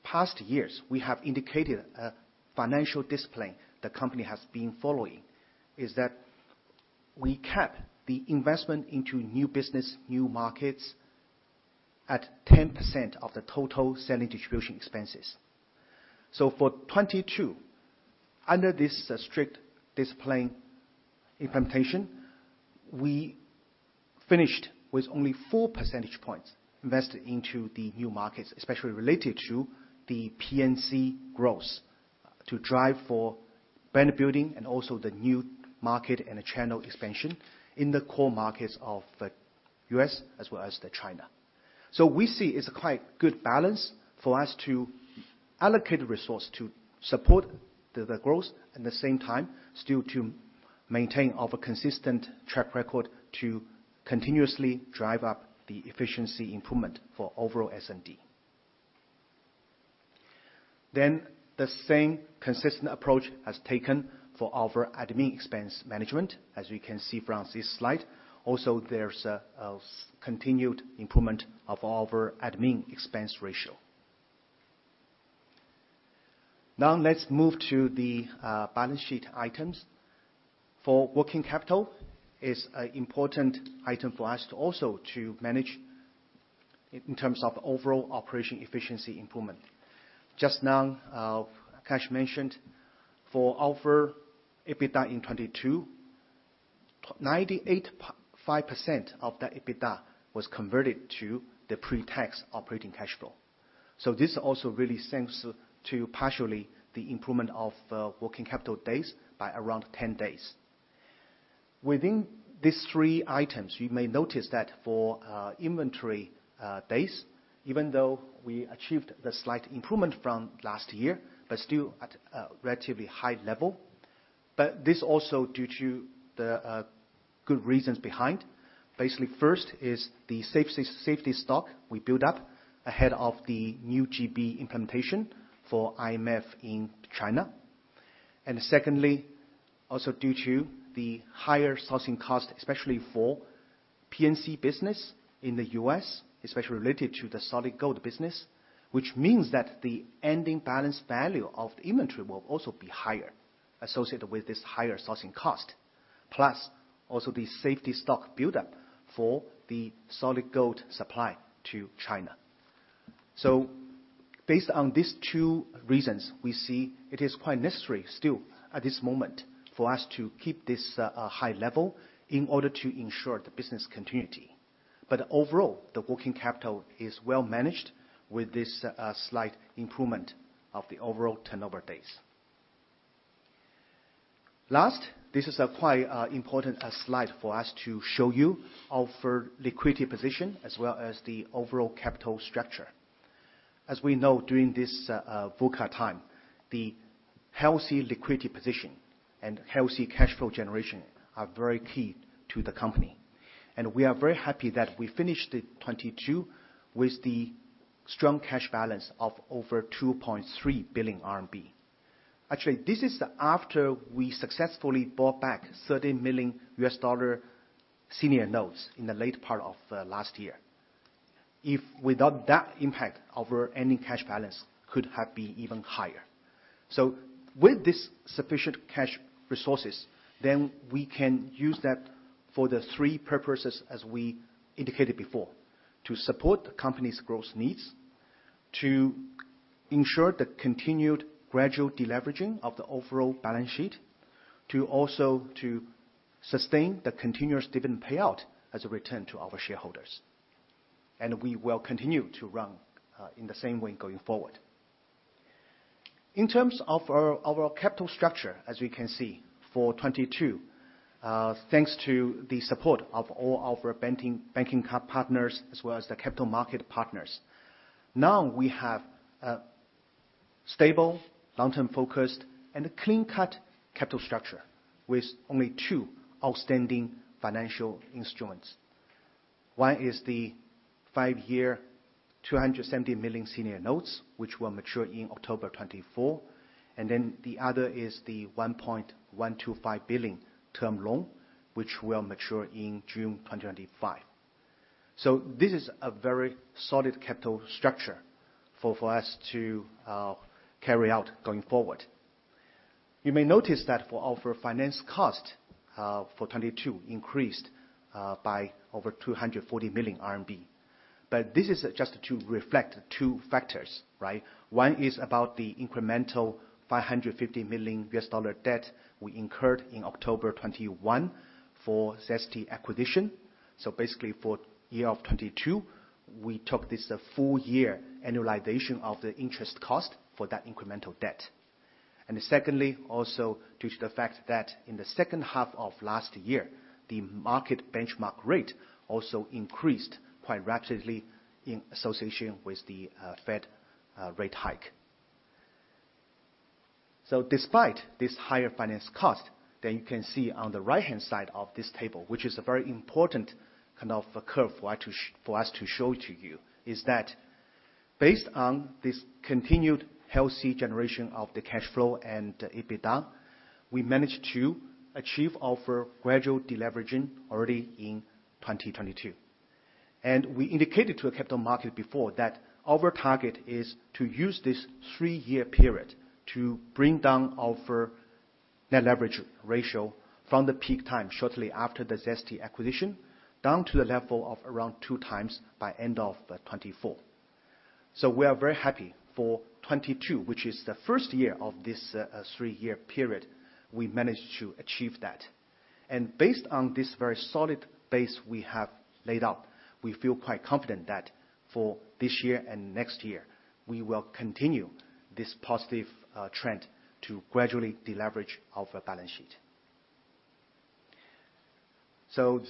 past years, we have indicated a financial discipline the company has been following, is that we cap the investment into new business, new markets at 10% of the total Selling Distribution expenses. For 2022, under this strict discipline implementation, we finished with only 4 percentage points invested into the new markets, especially related to the PNC growth, to drive for brand building and also the new market and channel expansion in the core markets of the U.S. as well as the China. We see it's a quite good balance for us to allocate the resource to support the growth. At the same time, still to maintain our consistent track record to continuously drive up the efficiency improvement for overall S&D. The same consistent approach as taken for our admin expense management, as you can see from this slide. There's a continued improvement of our admin expense ratio. Let's move to the balance sheet items. For working capital is an important item for us to also to manage in terms of overall operation efficiency improvement. Just now, Akash mentioned, for our EBITDA in 2022, 985% of the EBITDA was converted to the pre-tax operating cash flow. This also really thanks to partially the improvement of working capital days by around 10 days. Within these three items, you may notice that for inventory days, even though we achieved the slight improvement from last year, but still at a relatively high level. This also due to the good reasons behind. Basically, first is the safety stock we build up ahead of the new GB implementation for IMF in China. Secondly, also due to the higher sourcing cost, especially for PNC business in the U.S., especially related to the Solid Gold business. Which means that the ending balance value of the inventory will also be higher, associated with this higher sourcing cost. Plus, also the safety stock build-up for the Solid Gold supply to China. Based on these 2 reasons, we see it is quite necessary still at this moment for us to keep this a high level in order to ensure the business continuity. Overall, the working capital is well managed with this slight improvement of the overall turnover days. Last, this is a quite important slide for us to show you our liquidity position, as well as the overall capital structure. As we know during this vocal time, the healthy liquidity position and healthy cash flow generation are very key to the company. We are very happy that we finished the 2022 with the strong cash balance of over 2.3 billion RMB. This is after we successfully bought back $30 million US dollar senior notes in the late part of last year. If without that impact, our ending cash balance could have been even higher. With this sufficient cash resources, then we can use that for the three purposes as we indicated before. To support the company's growth needs, to ensure the continued gradual deleveraging of the overall balance sheet, to also to sustain the continuous dividend payout as a return to our shareholders. We will continue to run in the same way going forward. In terms of our capital structure, as we can see for 2022, thanks to the support of all our banking partners as well as the capital market partners. Now we have a stable, long-term focused, and a clean-cut capital structure with only two outstanding financial instruments. One is the 5-year $270 million senior notes, which will mature in October 2024. The other is the $1.125 billion term loan, which will mature in June 2025. This is a very solid capital structure for us to carry out going forward. You may notice that for our finance cost, for 2022 increased by over 240 million RMB. This is just to reflect two factors, right? One is about the incremental $550 million US dollar debt we incurred in October 2021 for Zesty acquisition. Basically, for year of 2022, we took this full year annualization of the interest cost for that incremental debt. Secondly, also, due to the fact that in the H2 of last year, the market benchmark rate also increased quite rapidly in association with the Fed rate hike. Despite this higher finance cost, you can see on the right-hand side of this table, which is a very important kind of curve right for us to show to you, is that based on this continued healthy generation of the cash flow and EBITDA, we managed to achieve our gradual deleveraging already in 2022. We indicated to a capital market before that our target is to use this three-year period to bring down our net leverage ratio from the peak time shortly after the Zesty acquisition, down to the level of around two times by end of 2024. We are very happy for 2022, which is the first year of this three-year period, we managed to achieve that. Based on this very solid base we have laid out, we feel quite confident that for this year and next year, we will continue this positive trend to gradually deleverage our balance sheet.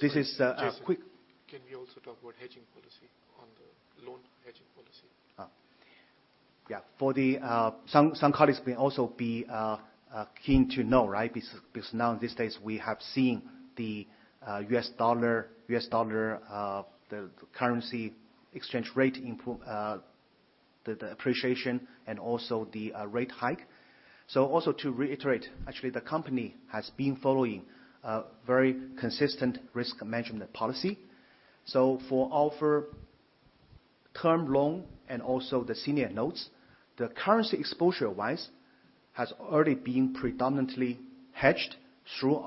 Jason, can we also talk about hedging policy on the loan hedging policy? Oh, yeah. Some colleagues may also be keen to know, right? Because now in these days, we have seen the US dollar, the currency exchange rate appreciation and also the rate hike. Also to reiterate, actually, the company has been following a very consistent risk management policy. For our term loan and also the senior notes, the currency exposure-wise has already been predominantly hedged through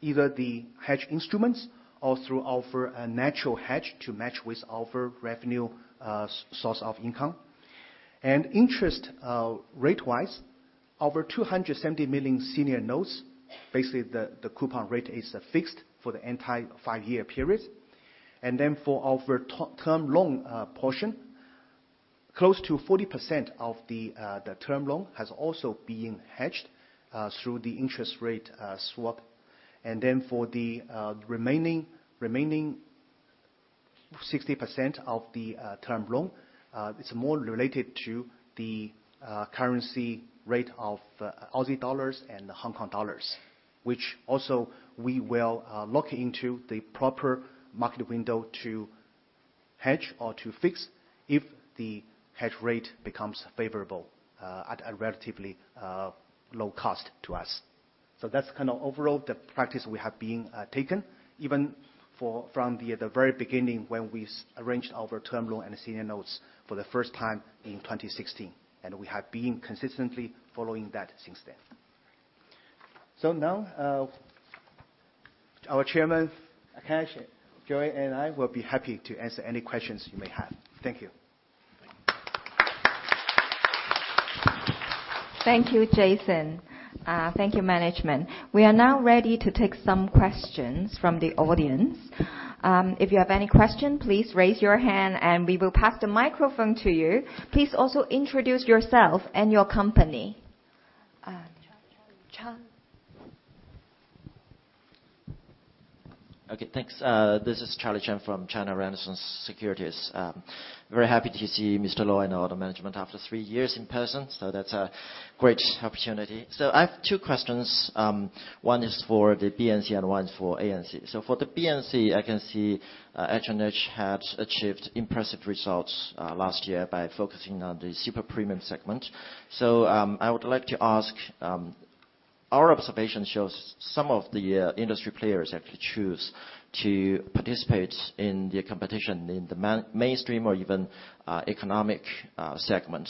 either the hedge instruments or through our natural hedge to match with our revenue source of income. Interest rate-wise, our $270 million senior notes, basically the coupon rate is fixed for the entire five-year period. For our term loan portion, close to 40% of the term loan has also been hedged through the interest rate swap. For the remaining 60% of the term loan, it's more related to the currency rate of Aussie dollars and Hong Kong dollars, which also we will look into the proper market window to hedge or to fix if the hedge rate becomes favorable at a relatively low cost to us. That's kind of overall the practice we have been taken, even from the very beginning when we arranged our term loan and senior notes for the first time in 2016, and we have been consistently following that since then. Now, our Chairman, Akash, Joy, and I will be happy to answer any questions you may have. Thank you. Thank you, Jason. Thank you, management. We are now ready to take some questions from the audience. If you have any question, please raise your hand, and we will pass the microphone to you. Please also introduce yourself and your company. Charlie Chan. Okay, thanks. This is Charlie Chan from China Renaissance Securities. Very happy to see Mr. Luo and all the management after three years in person, so that's a great opportunity. I have two questions. One is for the BNC and one is for ANC. For the BNC, I can see H&H has achieved impressive results last year by focusing on the super premium segment. I would like to ask, our observation shows some of the industry players actually choose to participate in the competition in the mainstream or even economic segment.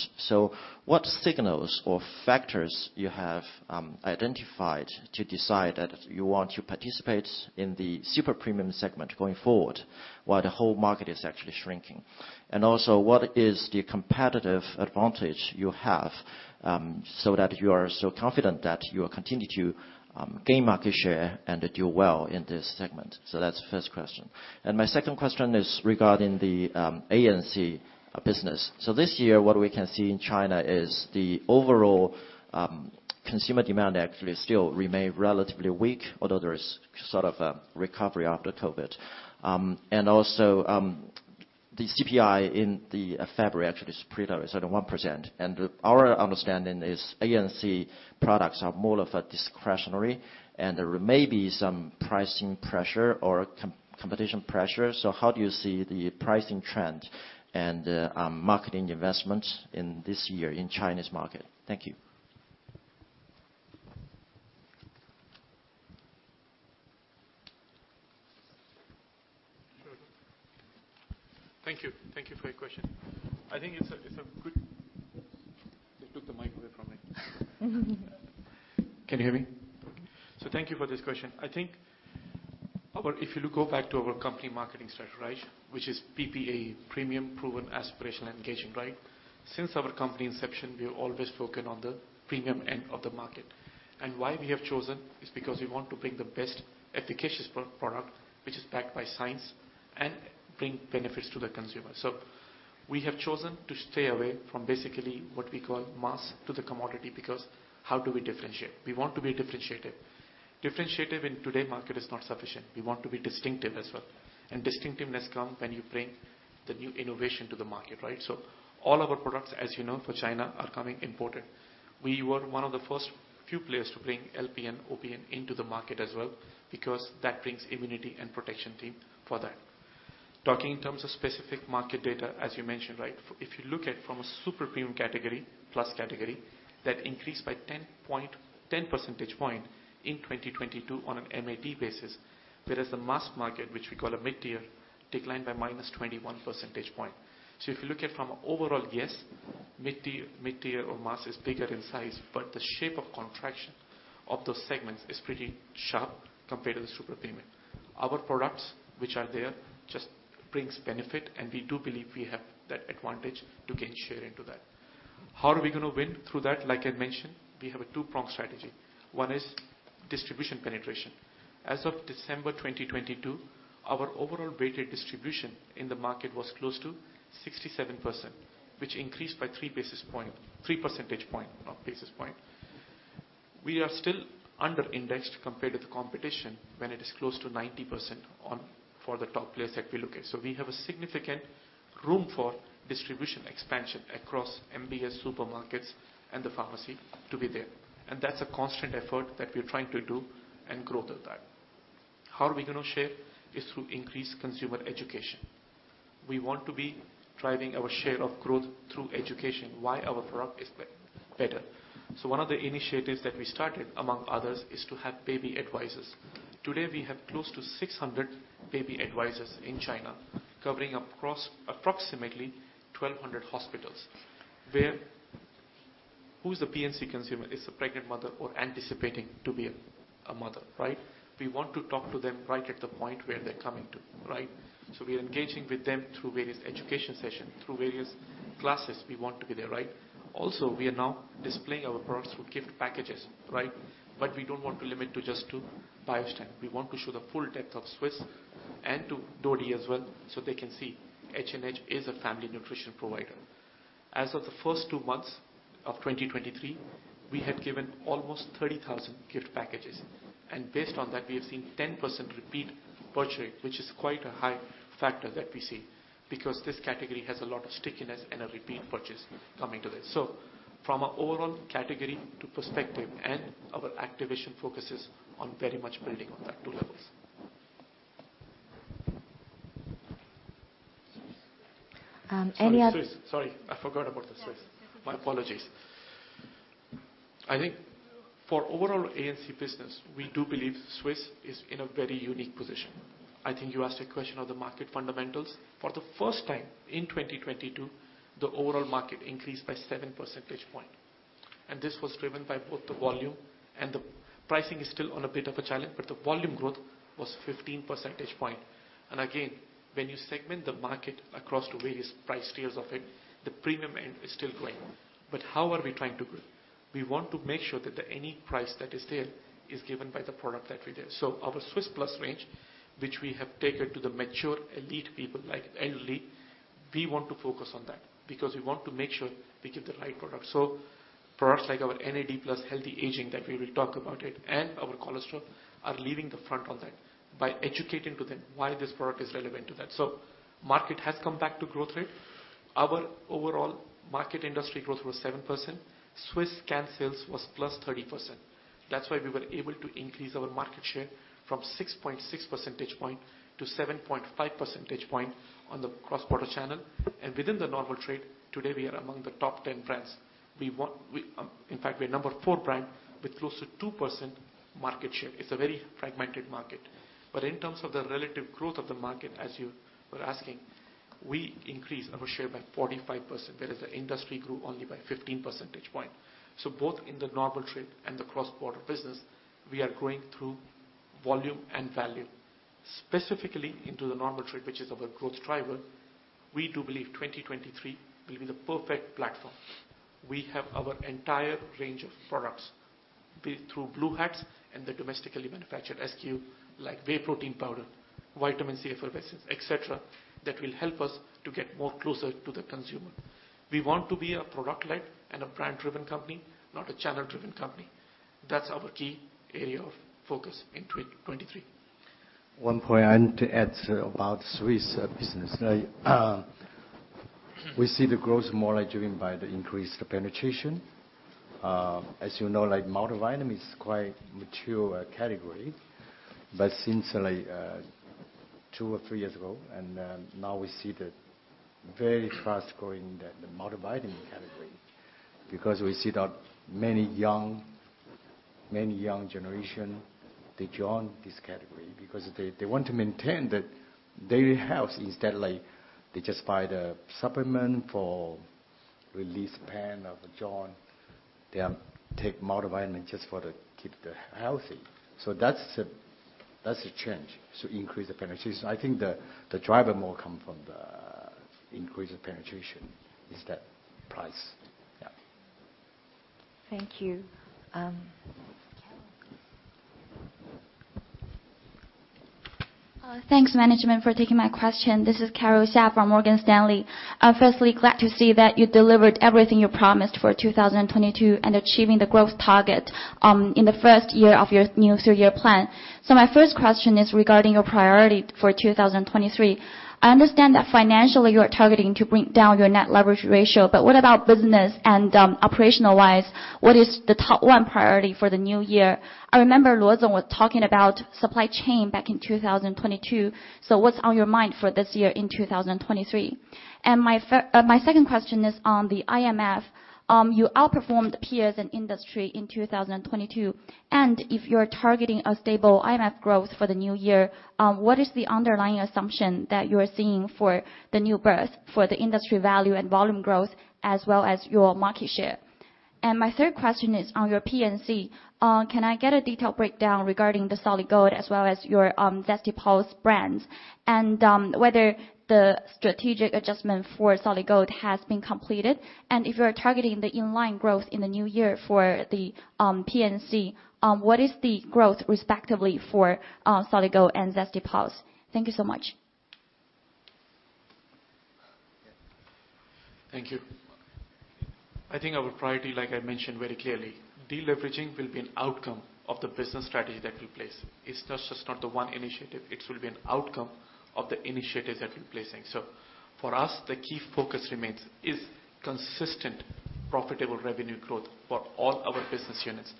What signals or factors you have identified to decide that you want to participate in the super premium segment going forward while the whole market is actually shrinking? Also, what is the competitive advantage you have, so that you are so confident that you will continue to gain market share and do well in this segment? That's first question. My second question is regarding the ANC business. This year, what we can see in China is the overall consumer demand actually still remain relatively weak, although there is sort of a recovery after COVID. Also, the CPI in February actually is pretty low, it's at 1%. Our understanding is ANC products are more of a discretionary, and there may be some pricing pressure or competition pressure. How do you see the pricing trend and marketing investments in this year in China's market? Thank you. Thank you. Thank you for your question. I think it's a good. They took the mic away from me. Can you hear me? Thank you for this question. I think if you go back to our company marketing strategy, which is PPA, Premium Proven Aspiration and Engagement, right? Since our company inception, we have always focused on the premium end of the market. Why we have chosen is because we want to bring the best efficacious pro-product, which is backed by science and bring benefits to the consumer. We have chosen to stay away from basically what we call mass to the commodity, because how do we differentiate? We want to be differentiated. Differentiated in today market is not sufficient. We want to be distinctive as well. Distinctiveness come when you bring the new innovation to the market, right? All our products, as you know, for China, are coming imported. We were one of the first few players to bring LPN, OPN into the market as well because that brings immunity and protection team for that. Talking in terms of specific market data, as you mentioned, right? If you look at from a super premium category, plus category, that increased by 10 percentage point in 2022 on an MAT basis. Whereas the mass market, which we call a mid-tier, declined by -21 percentage point. If you look at from overall, yes, mid-tier or mass is bigger in size, but the shape of contraction of those segments is pretty sharp compared to the super premium. Our products, which are there, just brings benefit, and we do believe we have that advantage to gain share into that. How are we gonna win through that? Like I mentioned, we have a two-prong strategy. One is distribution penetration. As of December 2022, our overall weighted distribution in the market was close to 67%, which increased by 3 percentage point, not basis point. We are still under-indexed compared to the competition when it is close to 90% for the top players that we look at. We have a significant room for distribution expansion across MBS supermarkets and the pharmacy to be there. That's a constant effort that we're trying to do and grow with that. How are we gonna share? Is through increased consumer education. We want to be driving our share of growth through education, why our product is better. One of the initiatives that we started, among others, is to have baby advisors. Today, we have close to 600 baby advisors in China, covering across approximately 1,200 hospitals. Who's the PNC consumer? It's a pregnant mother or anticipating to be a mother, right? We want to talk to them right at the point where they're coming to, right? We are engaging with them through various education session, through various classes. We want to be there, right? We are now displaying our products through gift packages, right? We don't want to limit to just Biostime. We want to show the full depth of Swisse and to Dodie as well, so they can see H&H is a family nutrition provider. As of the first two months of 2023, we had given almost 30,000 gift packages. Based on that, we have seen 10% repeat purchase rate, which is quite a high factor that we see because this category has a lot of stickiness and a repeat purchase coming to this. From a overall category to perspective and our activation focuses on very much building on that 2 levels. any other Sorry. Swisse. Sorry, I forgot about the Swisse. Yeah. My apologies. I think for overall ANC business, we do believe Swisse is in a very unique position. I think you asked a question of the market fundamentals. For the first time in 2022, the overall market increased by 7 percentage point. This was driven by both the volume. Pricing is still on a bit of a challenge, but the volume growth was 15 percentage point. Again, when you segment the market across the various price tiers of it, the premium end is still growing. How are we trying to grow? We want to make sure that any price that is there is given by the product that we give. Our Swisse Plus range, which we have taken to the mature elite people, like elderly, we want to focus on that because we want to make sure we give the right product. Products like our NAD+ Healthy Aging, that we will talk about it, and our cholesterol are leading the front on that by educating to them why this product is relevant to that. Market has come back to growth rate. Our overall market industry growth was 7%. Swisse can sales was +30%. That's why we were able to increase our market share from 6.6 percentage point to 7.5 percentage point on the cross-border channel. Within the normal trade, today we are among the top 10 brands. In fact, we're number 4 brand with close to 2% market share. It's a very fragmented market. In terms of the relative growth of the market, as you were asking, we increased our share by 45%, whereas the industry grew only by 15 percentage point. Both in the normal trade and the cross-border business, we are growing through volume and value. Specifically into the normal trade, which is our growth driver, we do believe 2023 will be the perfect platform. We have our entire range of products built through Blue Hat and the domestically manufactured SKU like whey protein powder, vitamin C effervescent, et cetera, that will help us to get more closer to the consumer. We want to be a product-led and a brand-driven company, not a channel-driven company. That's our key area of focus in 2023. One point I need to add about Swisse business. We see the growth more like driven by the increased penetration. As you know, like multivitamin is quite mature category. Since like 2 or 3 years ago, now we see the very fast-growing the multivitamin category because we see that many young generation, they join this category because they want to maintain their health instead like they just buy the supplement for release pain of the joint. They are take multivitamin just for the keep the healthy. That's a change. Increase the penetration. I think the driver more come from the increase of penetration is that price. Yeah. Thank you. Carol. Thanks, management, for taking my question. This is Carol Xia from Morgan Stanley. Firstly, glad to see that you delivered everything you promised for 2022 and achieving the growth target in the first year of your new three-year plan. My first question is regarding your priority for 2023. I understand that financially you're targeting to bring down your net leverage ratio, but what about business and operational-wise, what is the top 1 priority for the new year? I remember Lu Zong was talking about supply chain back in 2022. What's on your mind for this year in 2023? My second question is on the IMF. You outperformed peers in industry in 2022, and if you're targeting a stable IMF growth for the new year, what is the underlying assumption that you are seeing for the new birth, for the industry value and volume growth, as well as your market share? My third question is on your PNC. Can I get a detailed breakdown regarding the Solid Gold as well as your Zesty Paws brands? Whether the strategic adjustment for Solid Gold has been completed, and if you're targeting the in-line growth in the new year for the PNC, what is the growth respectively for Solid Gold and Zesty Paws? Thank you so much. Thank you. I think our priority, like I mentioned very clearly, deleveraging will be an outcome of the business strategy that we place. It's not just the one initiative. It will be an outcome of the initiatives that we're placing. For us, the key focus remains is consistent profitable revenue growth for all our business units.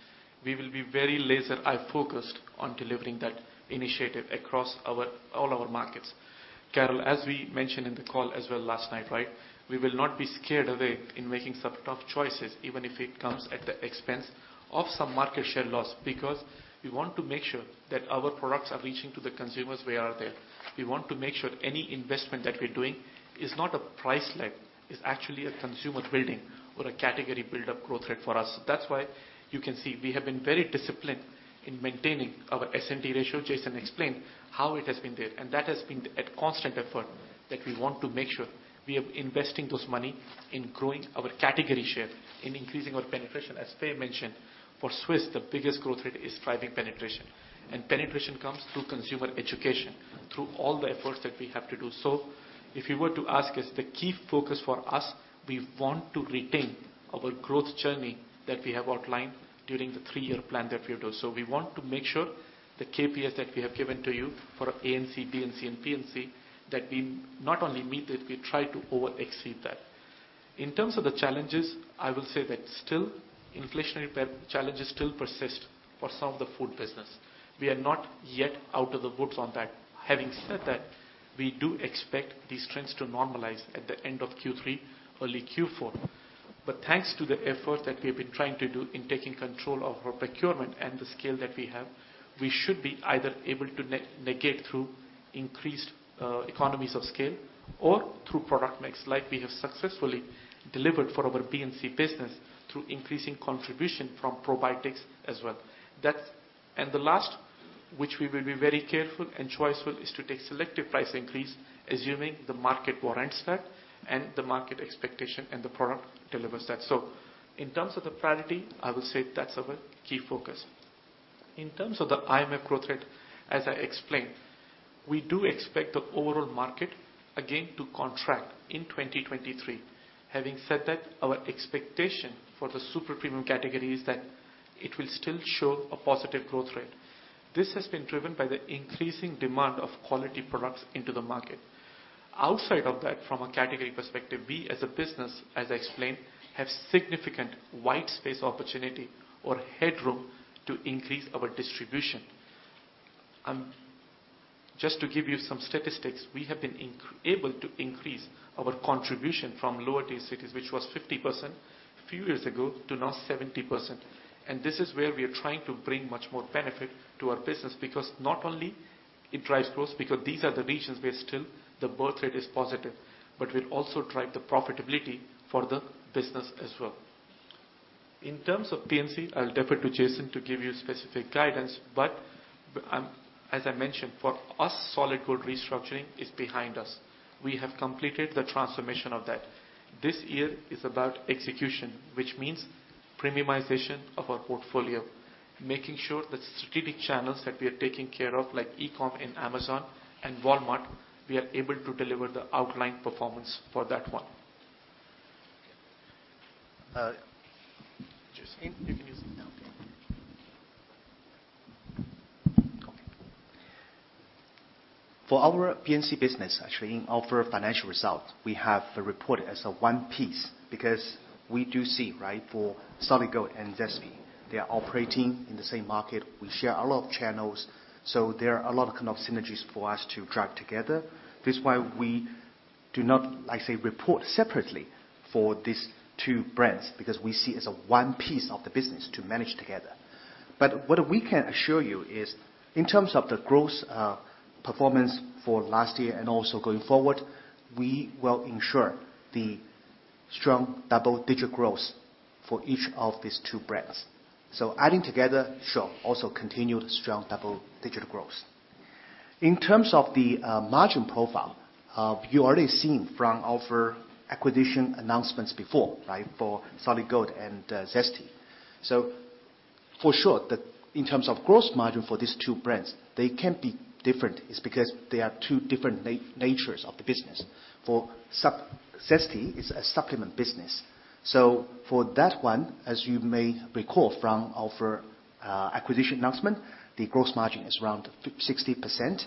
We will be very laser eye-focused on delivering that initiative across all our markets. Carol, as we mentioned in the call as well last night, right? We will not be scared away in making some tough choices, even if it comes at the expense of some market share loss, because we want to make sure that our products are reaching to the consumers where are there. We want to make sure any investment that we're doing is not a price lag, it's actually a consumer building or a category build-up growth rate for us. That's why you can see we have been very disciplined in maintaining our S&P ratio. Jason explained how it has been there, and that has been a constant effort that we want to make sure we are investing those money in growing our category share, in increasing our penetration. As Pei mentioned, for Swisse, the biggest growth rate is driving penetration. Penetration comes through consumer education, through all the efforts that we have to do. If you were to ask us the key focus for us, we want to retain our growth journey that we have outlined during the 3-year plan that we do. We want to make sure the KPIs that we have given to you for ANC, BNC, and PNC, that we not only meet it, we try to over-exceed that. In terms of the challenges, I will say that still inflationary challenges still persist for some of the food business. We are not yet out of the woods on that. Having said that, we do expect these trends to normalize at the end of Q3, early Q4. Thanks to the effort that we have been trying to do in taking control of our procurement and the scale that we have, we should be either able to negate through increased economies of scale or through product mix, like we have successfully delivered for our BNC business through increasing contribution from probiotics as well. That. The last, which we will be very careful and choiceful, is to take selective price increase, assuming the market warrants that and the market expectation and the product delivers that. In terms of the priority, I would say that's our key focus. In terms of the IMF growth rate, as I explained, we do expect the overall market again to contract in 2023. Having said that, our expectation for the super premium category is that it will still show a positive growth rate. This has been driven by the increasing demand of quality products into the market. Outside of that, from a category perspective, we as a business, as I explained, have significant white space opportunity or headroom to increase our distribution. Just to give you some statistics, we have been able to increase our contribution from lower tier cities, which was 50% a few years ago, to now 70%. This is where we are trying to bring much more benefit to our business because not only it drives growth, because these are the regions where still the birth rate is positive, but will also drive the profitability for the business as well. In terms of PNC, I'll defer to Jason to give you specific guidance, but as I mentioned, for us, Solid Gold restructuring is behind us. We have completed the transformation of that. This year is about execution, which means premiumization of our portfolio, making sure the strategic channels that we are taking care of, like E-com in Amazon and Walmart, we are able to deliver the outlined performance for that one. Jason, you can use it now. Okay. For our PNC business, actually, in our financial results, we have reported as a 1 piece because we do see, right, for Solid Gold and Zesty, they are operating in the same market. We share a lot of channels, there are a lot of kind of synergies for us to drive together. This is why we do not, like I say, report separately for these 2 brands, because we see as a 1 piece of the business to manage together. What we can assure you is in terms of the growth performance for last year and also going forward, we will ensure the strong double-digit growth for each of these 2 brands. Adding together show also continued strong double-digit growth. In terms of the margin profile, you already seen from our acquisition announcements before, right? For Solid Gold and Zesty. For sure, in terms of gross margin for these two brands, they can be different. It's because they are two different natures of the business. For Zesty is a supplement business. For that one, as you may recall from our acquisition announcement, the gross margin is around 60%.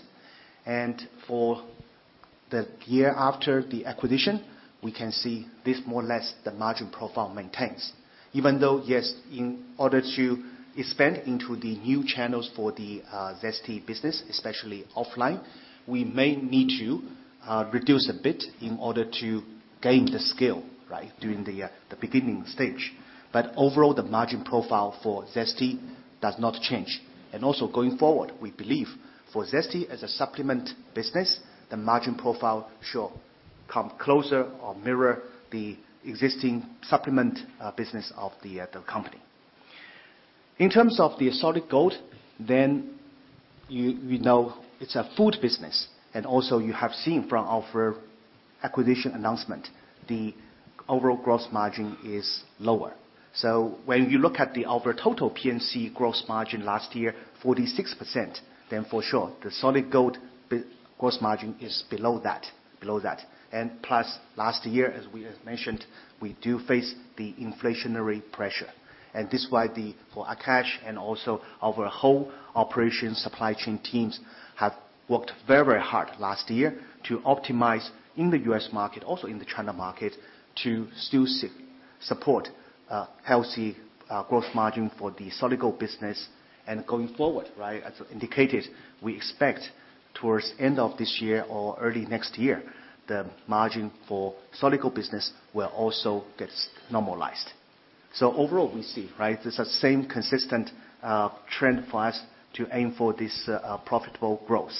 For the year after the acquisition, we can see this more or less the margin profile maintains. Even though, yes, in order to expand into the new channels for the Zesty business, especially offline, we may need to reduce a bit in order to gain the scale, right, during the beginning stage. Overall, the margin profile for Zesty does not change. Going forward, we believe for Zesty as a supplement business, the margin profile should come closer or mirror the existing supplement business of the company. In terms of the Solid Gold, you know it's a food business. You have seen from our acquisition announcement, the overall gross margin is lower. When you look at our total PNC gross margin last year, 46%, then for sure, the Solid Gold gross margin is below that. Plus, last year, as we have mentioned, we do face the inflationary pressure. This is why for Akash and also our whole operations supply chain teams have worked very hard last year to optimize in the U.S. market, also in the China market, to still support a healthy growth margin for the Solid Gold business and going forward, right? As indicated, we expect towards end of this year or early next year, the margin for Solid Gold business will also gets normalized. Overall, we see, right, there's a same consistent trend for us to aim for this profitable growth.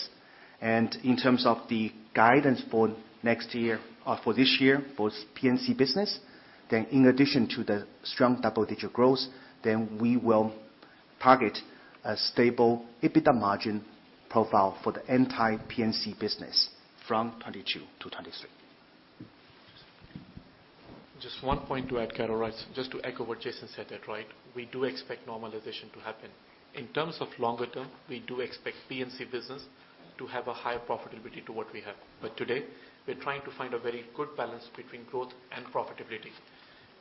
In terms of the guidance for next year or for this year for PNC business, in addition to the strong double-digit growth, we will target a stable EBITDA margin profile for the entire PNC business from 2022 to 2023. Just 1 point to add, Carol, right? Just to echo what Jason said there, right? We do expect normalization to happen. In terms of longer term, we do expect PNC business to have a higher profitability to what we have. Today, we're trying to find a very good balance between growth and profitability.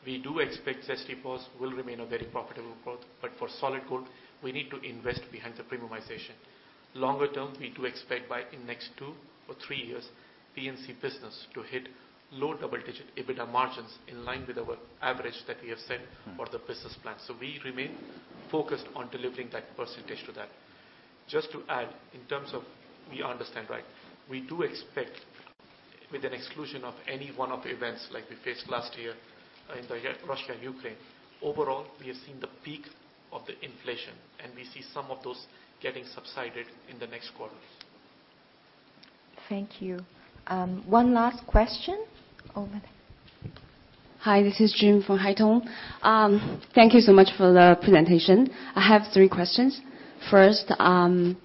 We do expect Zesty Paws will remain a very profitable growth. For Solid Gold, we need to invest behind the premiumization. Longer term, we do expect by in next two or three years, PNC business to hit low double-digit EBITDA margins in line with our average that we have said. for the business plan. We remain focused on delivering that % to that. Just to add, in terms of we understand, right. We do expect with an exclusion of any one of the events like we faced last year in Russia and Ukraine, overall, we have seen the peak of the inflation, and we see some of those getting subsided in the next quarters. Thank you. One last question. Over there. Hi, this is June from Haitong. Thank you so much for the presentation. I have three questions. First, firstly,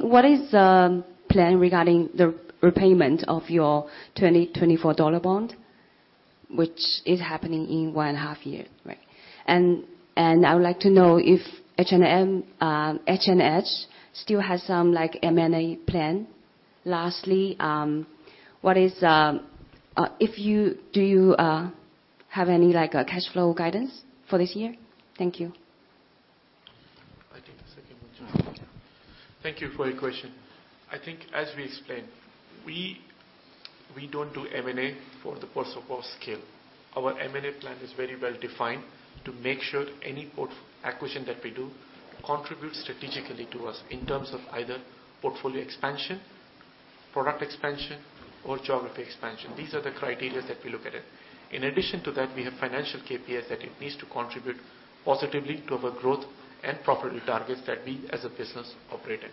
what is the plan regarding the repayment of your 2024-dollar bond, which is happening in one and a half year, right? I would like to know if H&M, H&H still has some like M&A plan. Lastly, what is, do you have any, like, cash flow guidance for this year? Thank you. I'll take the second one, June. Okay. Thank you for your question. I think as we explained, we don't do M&A for the purpose of scale. Our M&A plan is very well-defined to make sure any acquisition that we do contributes strategically to us in terms of either portfolio expansion, product expansion or geography expansion. These are the criterias that we look at it. In addition to that, we have financial KPIs that it needs to contribute positively to our growth and profitability targets that we as a business operate in.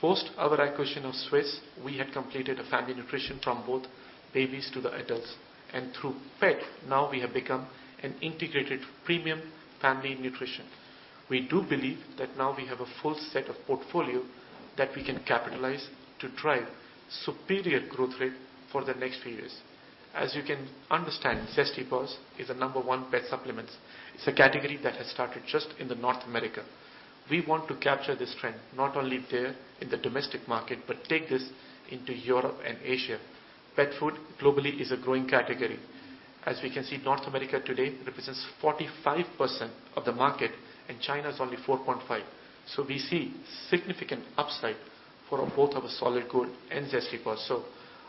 Post our acquisition of Swisse, we had completed a family nutrition from both babies to the adults. Through pet, now we have become an integrated premium family nutrition. We do believe that now we have a full set of portfolio that we can capitalize to drive superior growth rate for the next few years. As you can understand, Zesty Paws is a number one pet supplements. It's a category that has started just in North America. We want to capture this trend, not only there in the domestic market, but take this into Europe and Asia. Pet food globally is a growing category. As we can see, North America today represents 45% of the market, and China is only 4.5%. We see significant upside for both our Solid Gold and Zesty Paws.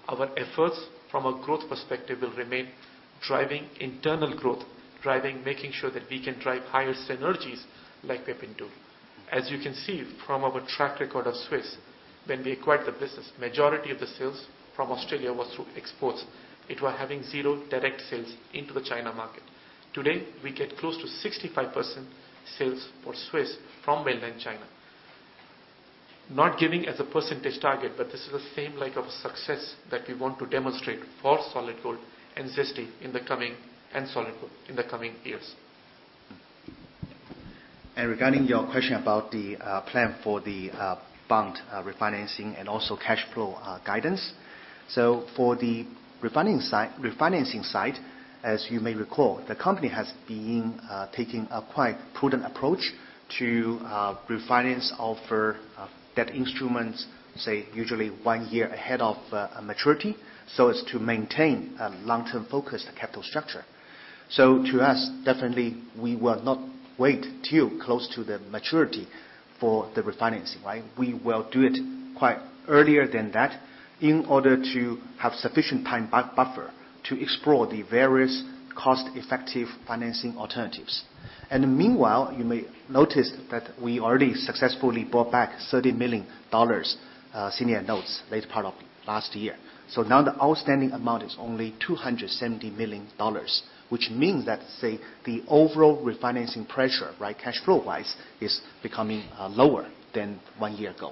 Our efforts from a growth perspective will remain driving internal growth, driving making sure that we can drive higher synergies like we've been doing. As you can see from our track record of Swisse, when we acquired the business, majority of the sales from Australia was through exports. It was having 0 direct sales into the China market. Today, we get close to 65% sales for Swisse from Mainland China. Not giving as a percentage target, this is the same leg of success that we want to demonstrate for Solid Gold and Zesty and Solid Gold in the coming years. Regarding your question about the plan for the bond refinancing and also cash flow guidance. For the refinancing side, as you may recall, the company has been taking a quite prudent approach to refinance offer debt instruments, say, usually 1 year ahead of maturity, so as to maintain a long-term focus capital structure. To us, definitely we will not wait till close to the maturity for the refinancing. Right? We will do it quite earlier than that in order to have sufficient time buffer to explore the various cost-effective financing alternatives. Meanwhile, you may notice that we already successfully brought back $30 million senior notes late part of last year. Now the outstanding amount is only $270 million, which means that, say, the overall refinancing pressure, right, cash flow wise, is becoming lower than one year ago.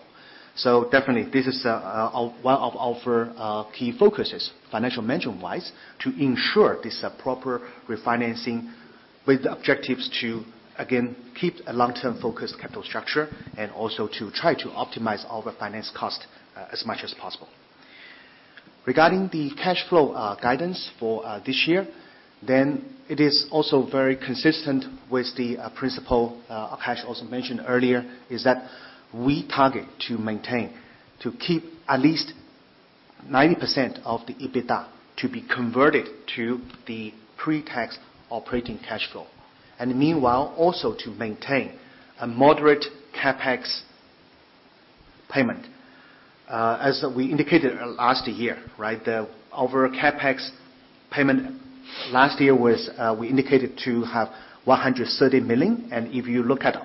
Definitely, this is one of our key focuses, financial measure wise, to ensure this proper refinancing with objectives to, again, keep a long-term focus capital structure and also to try to optimize our finance cost as much as possible. Regarding the cash flow guidance for this year, it is also very consistent with the principle Akash also mentioned earlier, is that we target to maintain, to keep at least 90% of the EBITDA to be converted to the pre-tax operating cash flow. Meanwhile, also to maintain a moderate CapEx payment. As we indicated last year, right? Our CapEx payment last year was, we indicated to have $130 million, and if you look at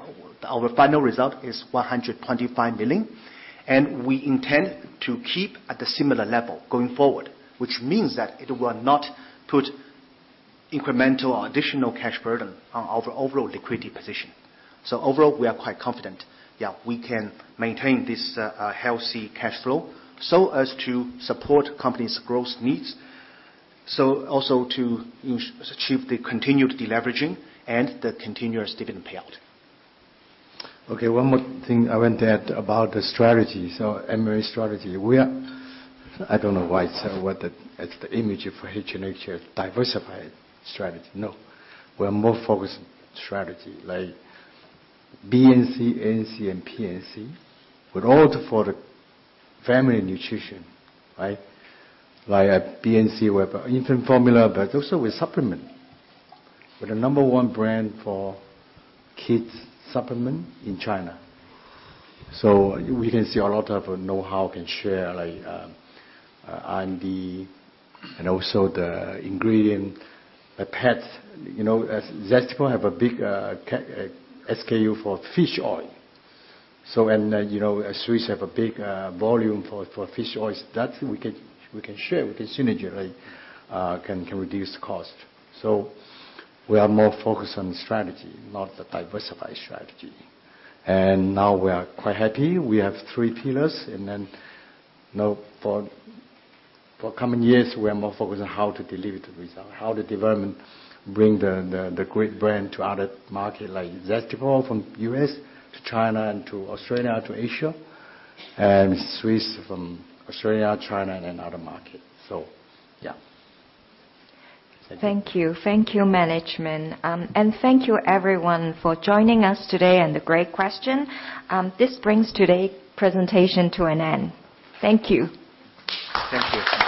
our final result is $125 million. We intend to keep at the similar level going forward, which means that it will not put incremental or additional cash burden on our overall liquidity position. Overall, we are quite confident, yeah, we can maintain this healthy cash flow so as to support company's growth needs. Also to achieve the continued deleveraging and the continuous dividend payout. Okay. One more thing I want to add about the strategy. M&A strategy. We are I don't know why, it's the image for H&H is diversified strategy. No. We are more focused strategy, like BNC, ANC, and PNC. We're all for the family nutrition, right? Like at BNC, we have infant formula, but also with supplement. We're the number 1 brand for kids supplement in China. We can see a lot of know-how can share, like, R&D and also the ingredient. Pet, you know, as Zesty Paws have a big SKU for fish oil. You know, Swisse have a big volume for fish oils. That we can share, we can synergy, right? Can reduce cost. We are more focused on strategy, not the diversified strategy. Now we are quite happy. We have three pillars and then now for coming years, we are more focused on how to deliver the result, how the development bring the great brand to other market, like Zesty Paws from U.S. to China and to Australia to Asia, and Swisse from Australia, China, and other market. Yeah. Thank you. Thank you, management. Thank you everyone for joining us today and the great question. This brings today presentation to an end. Thank you. Thank you.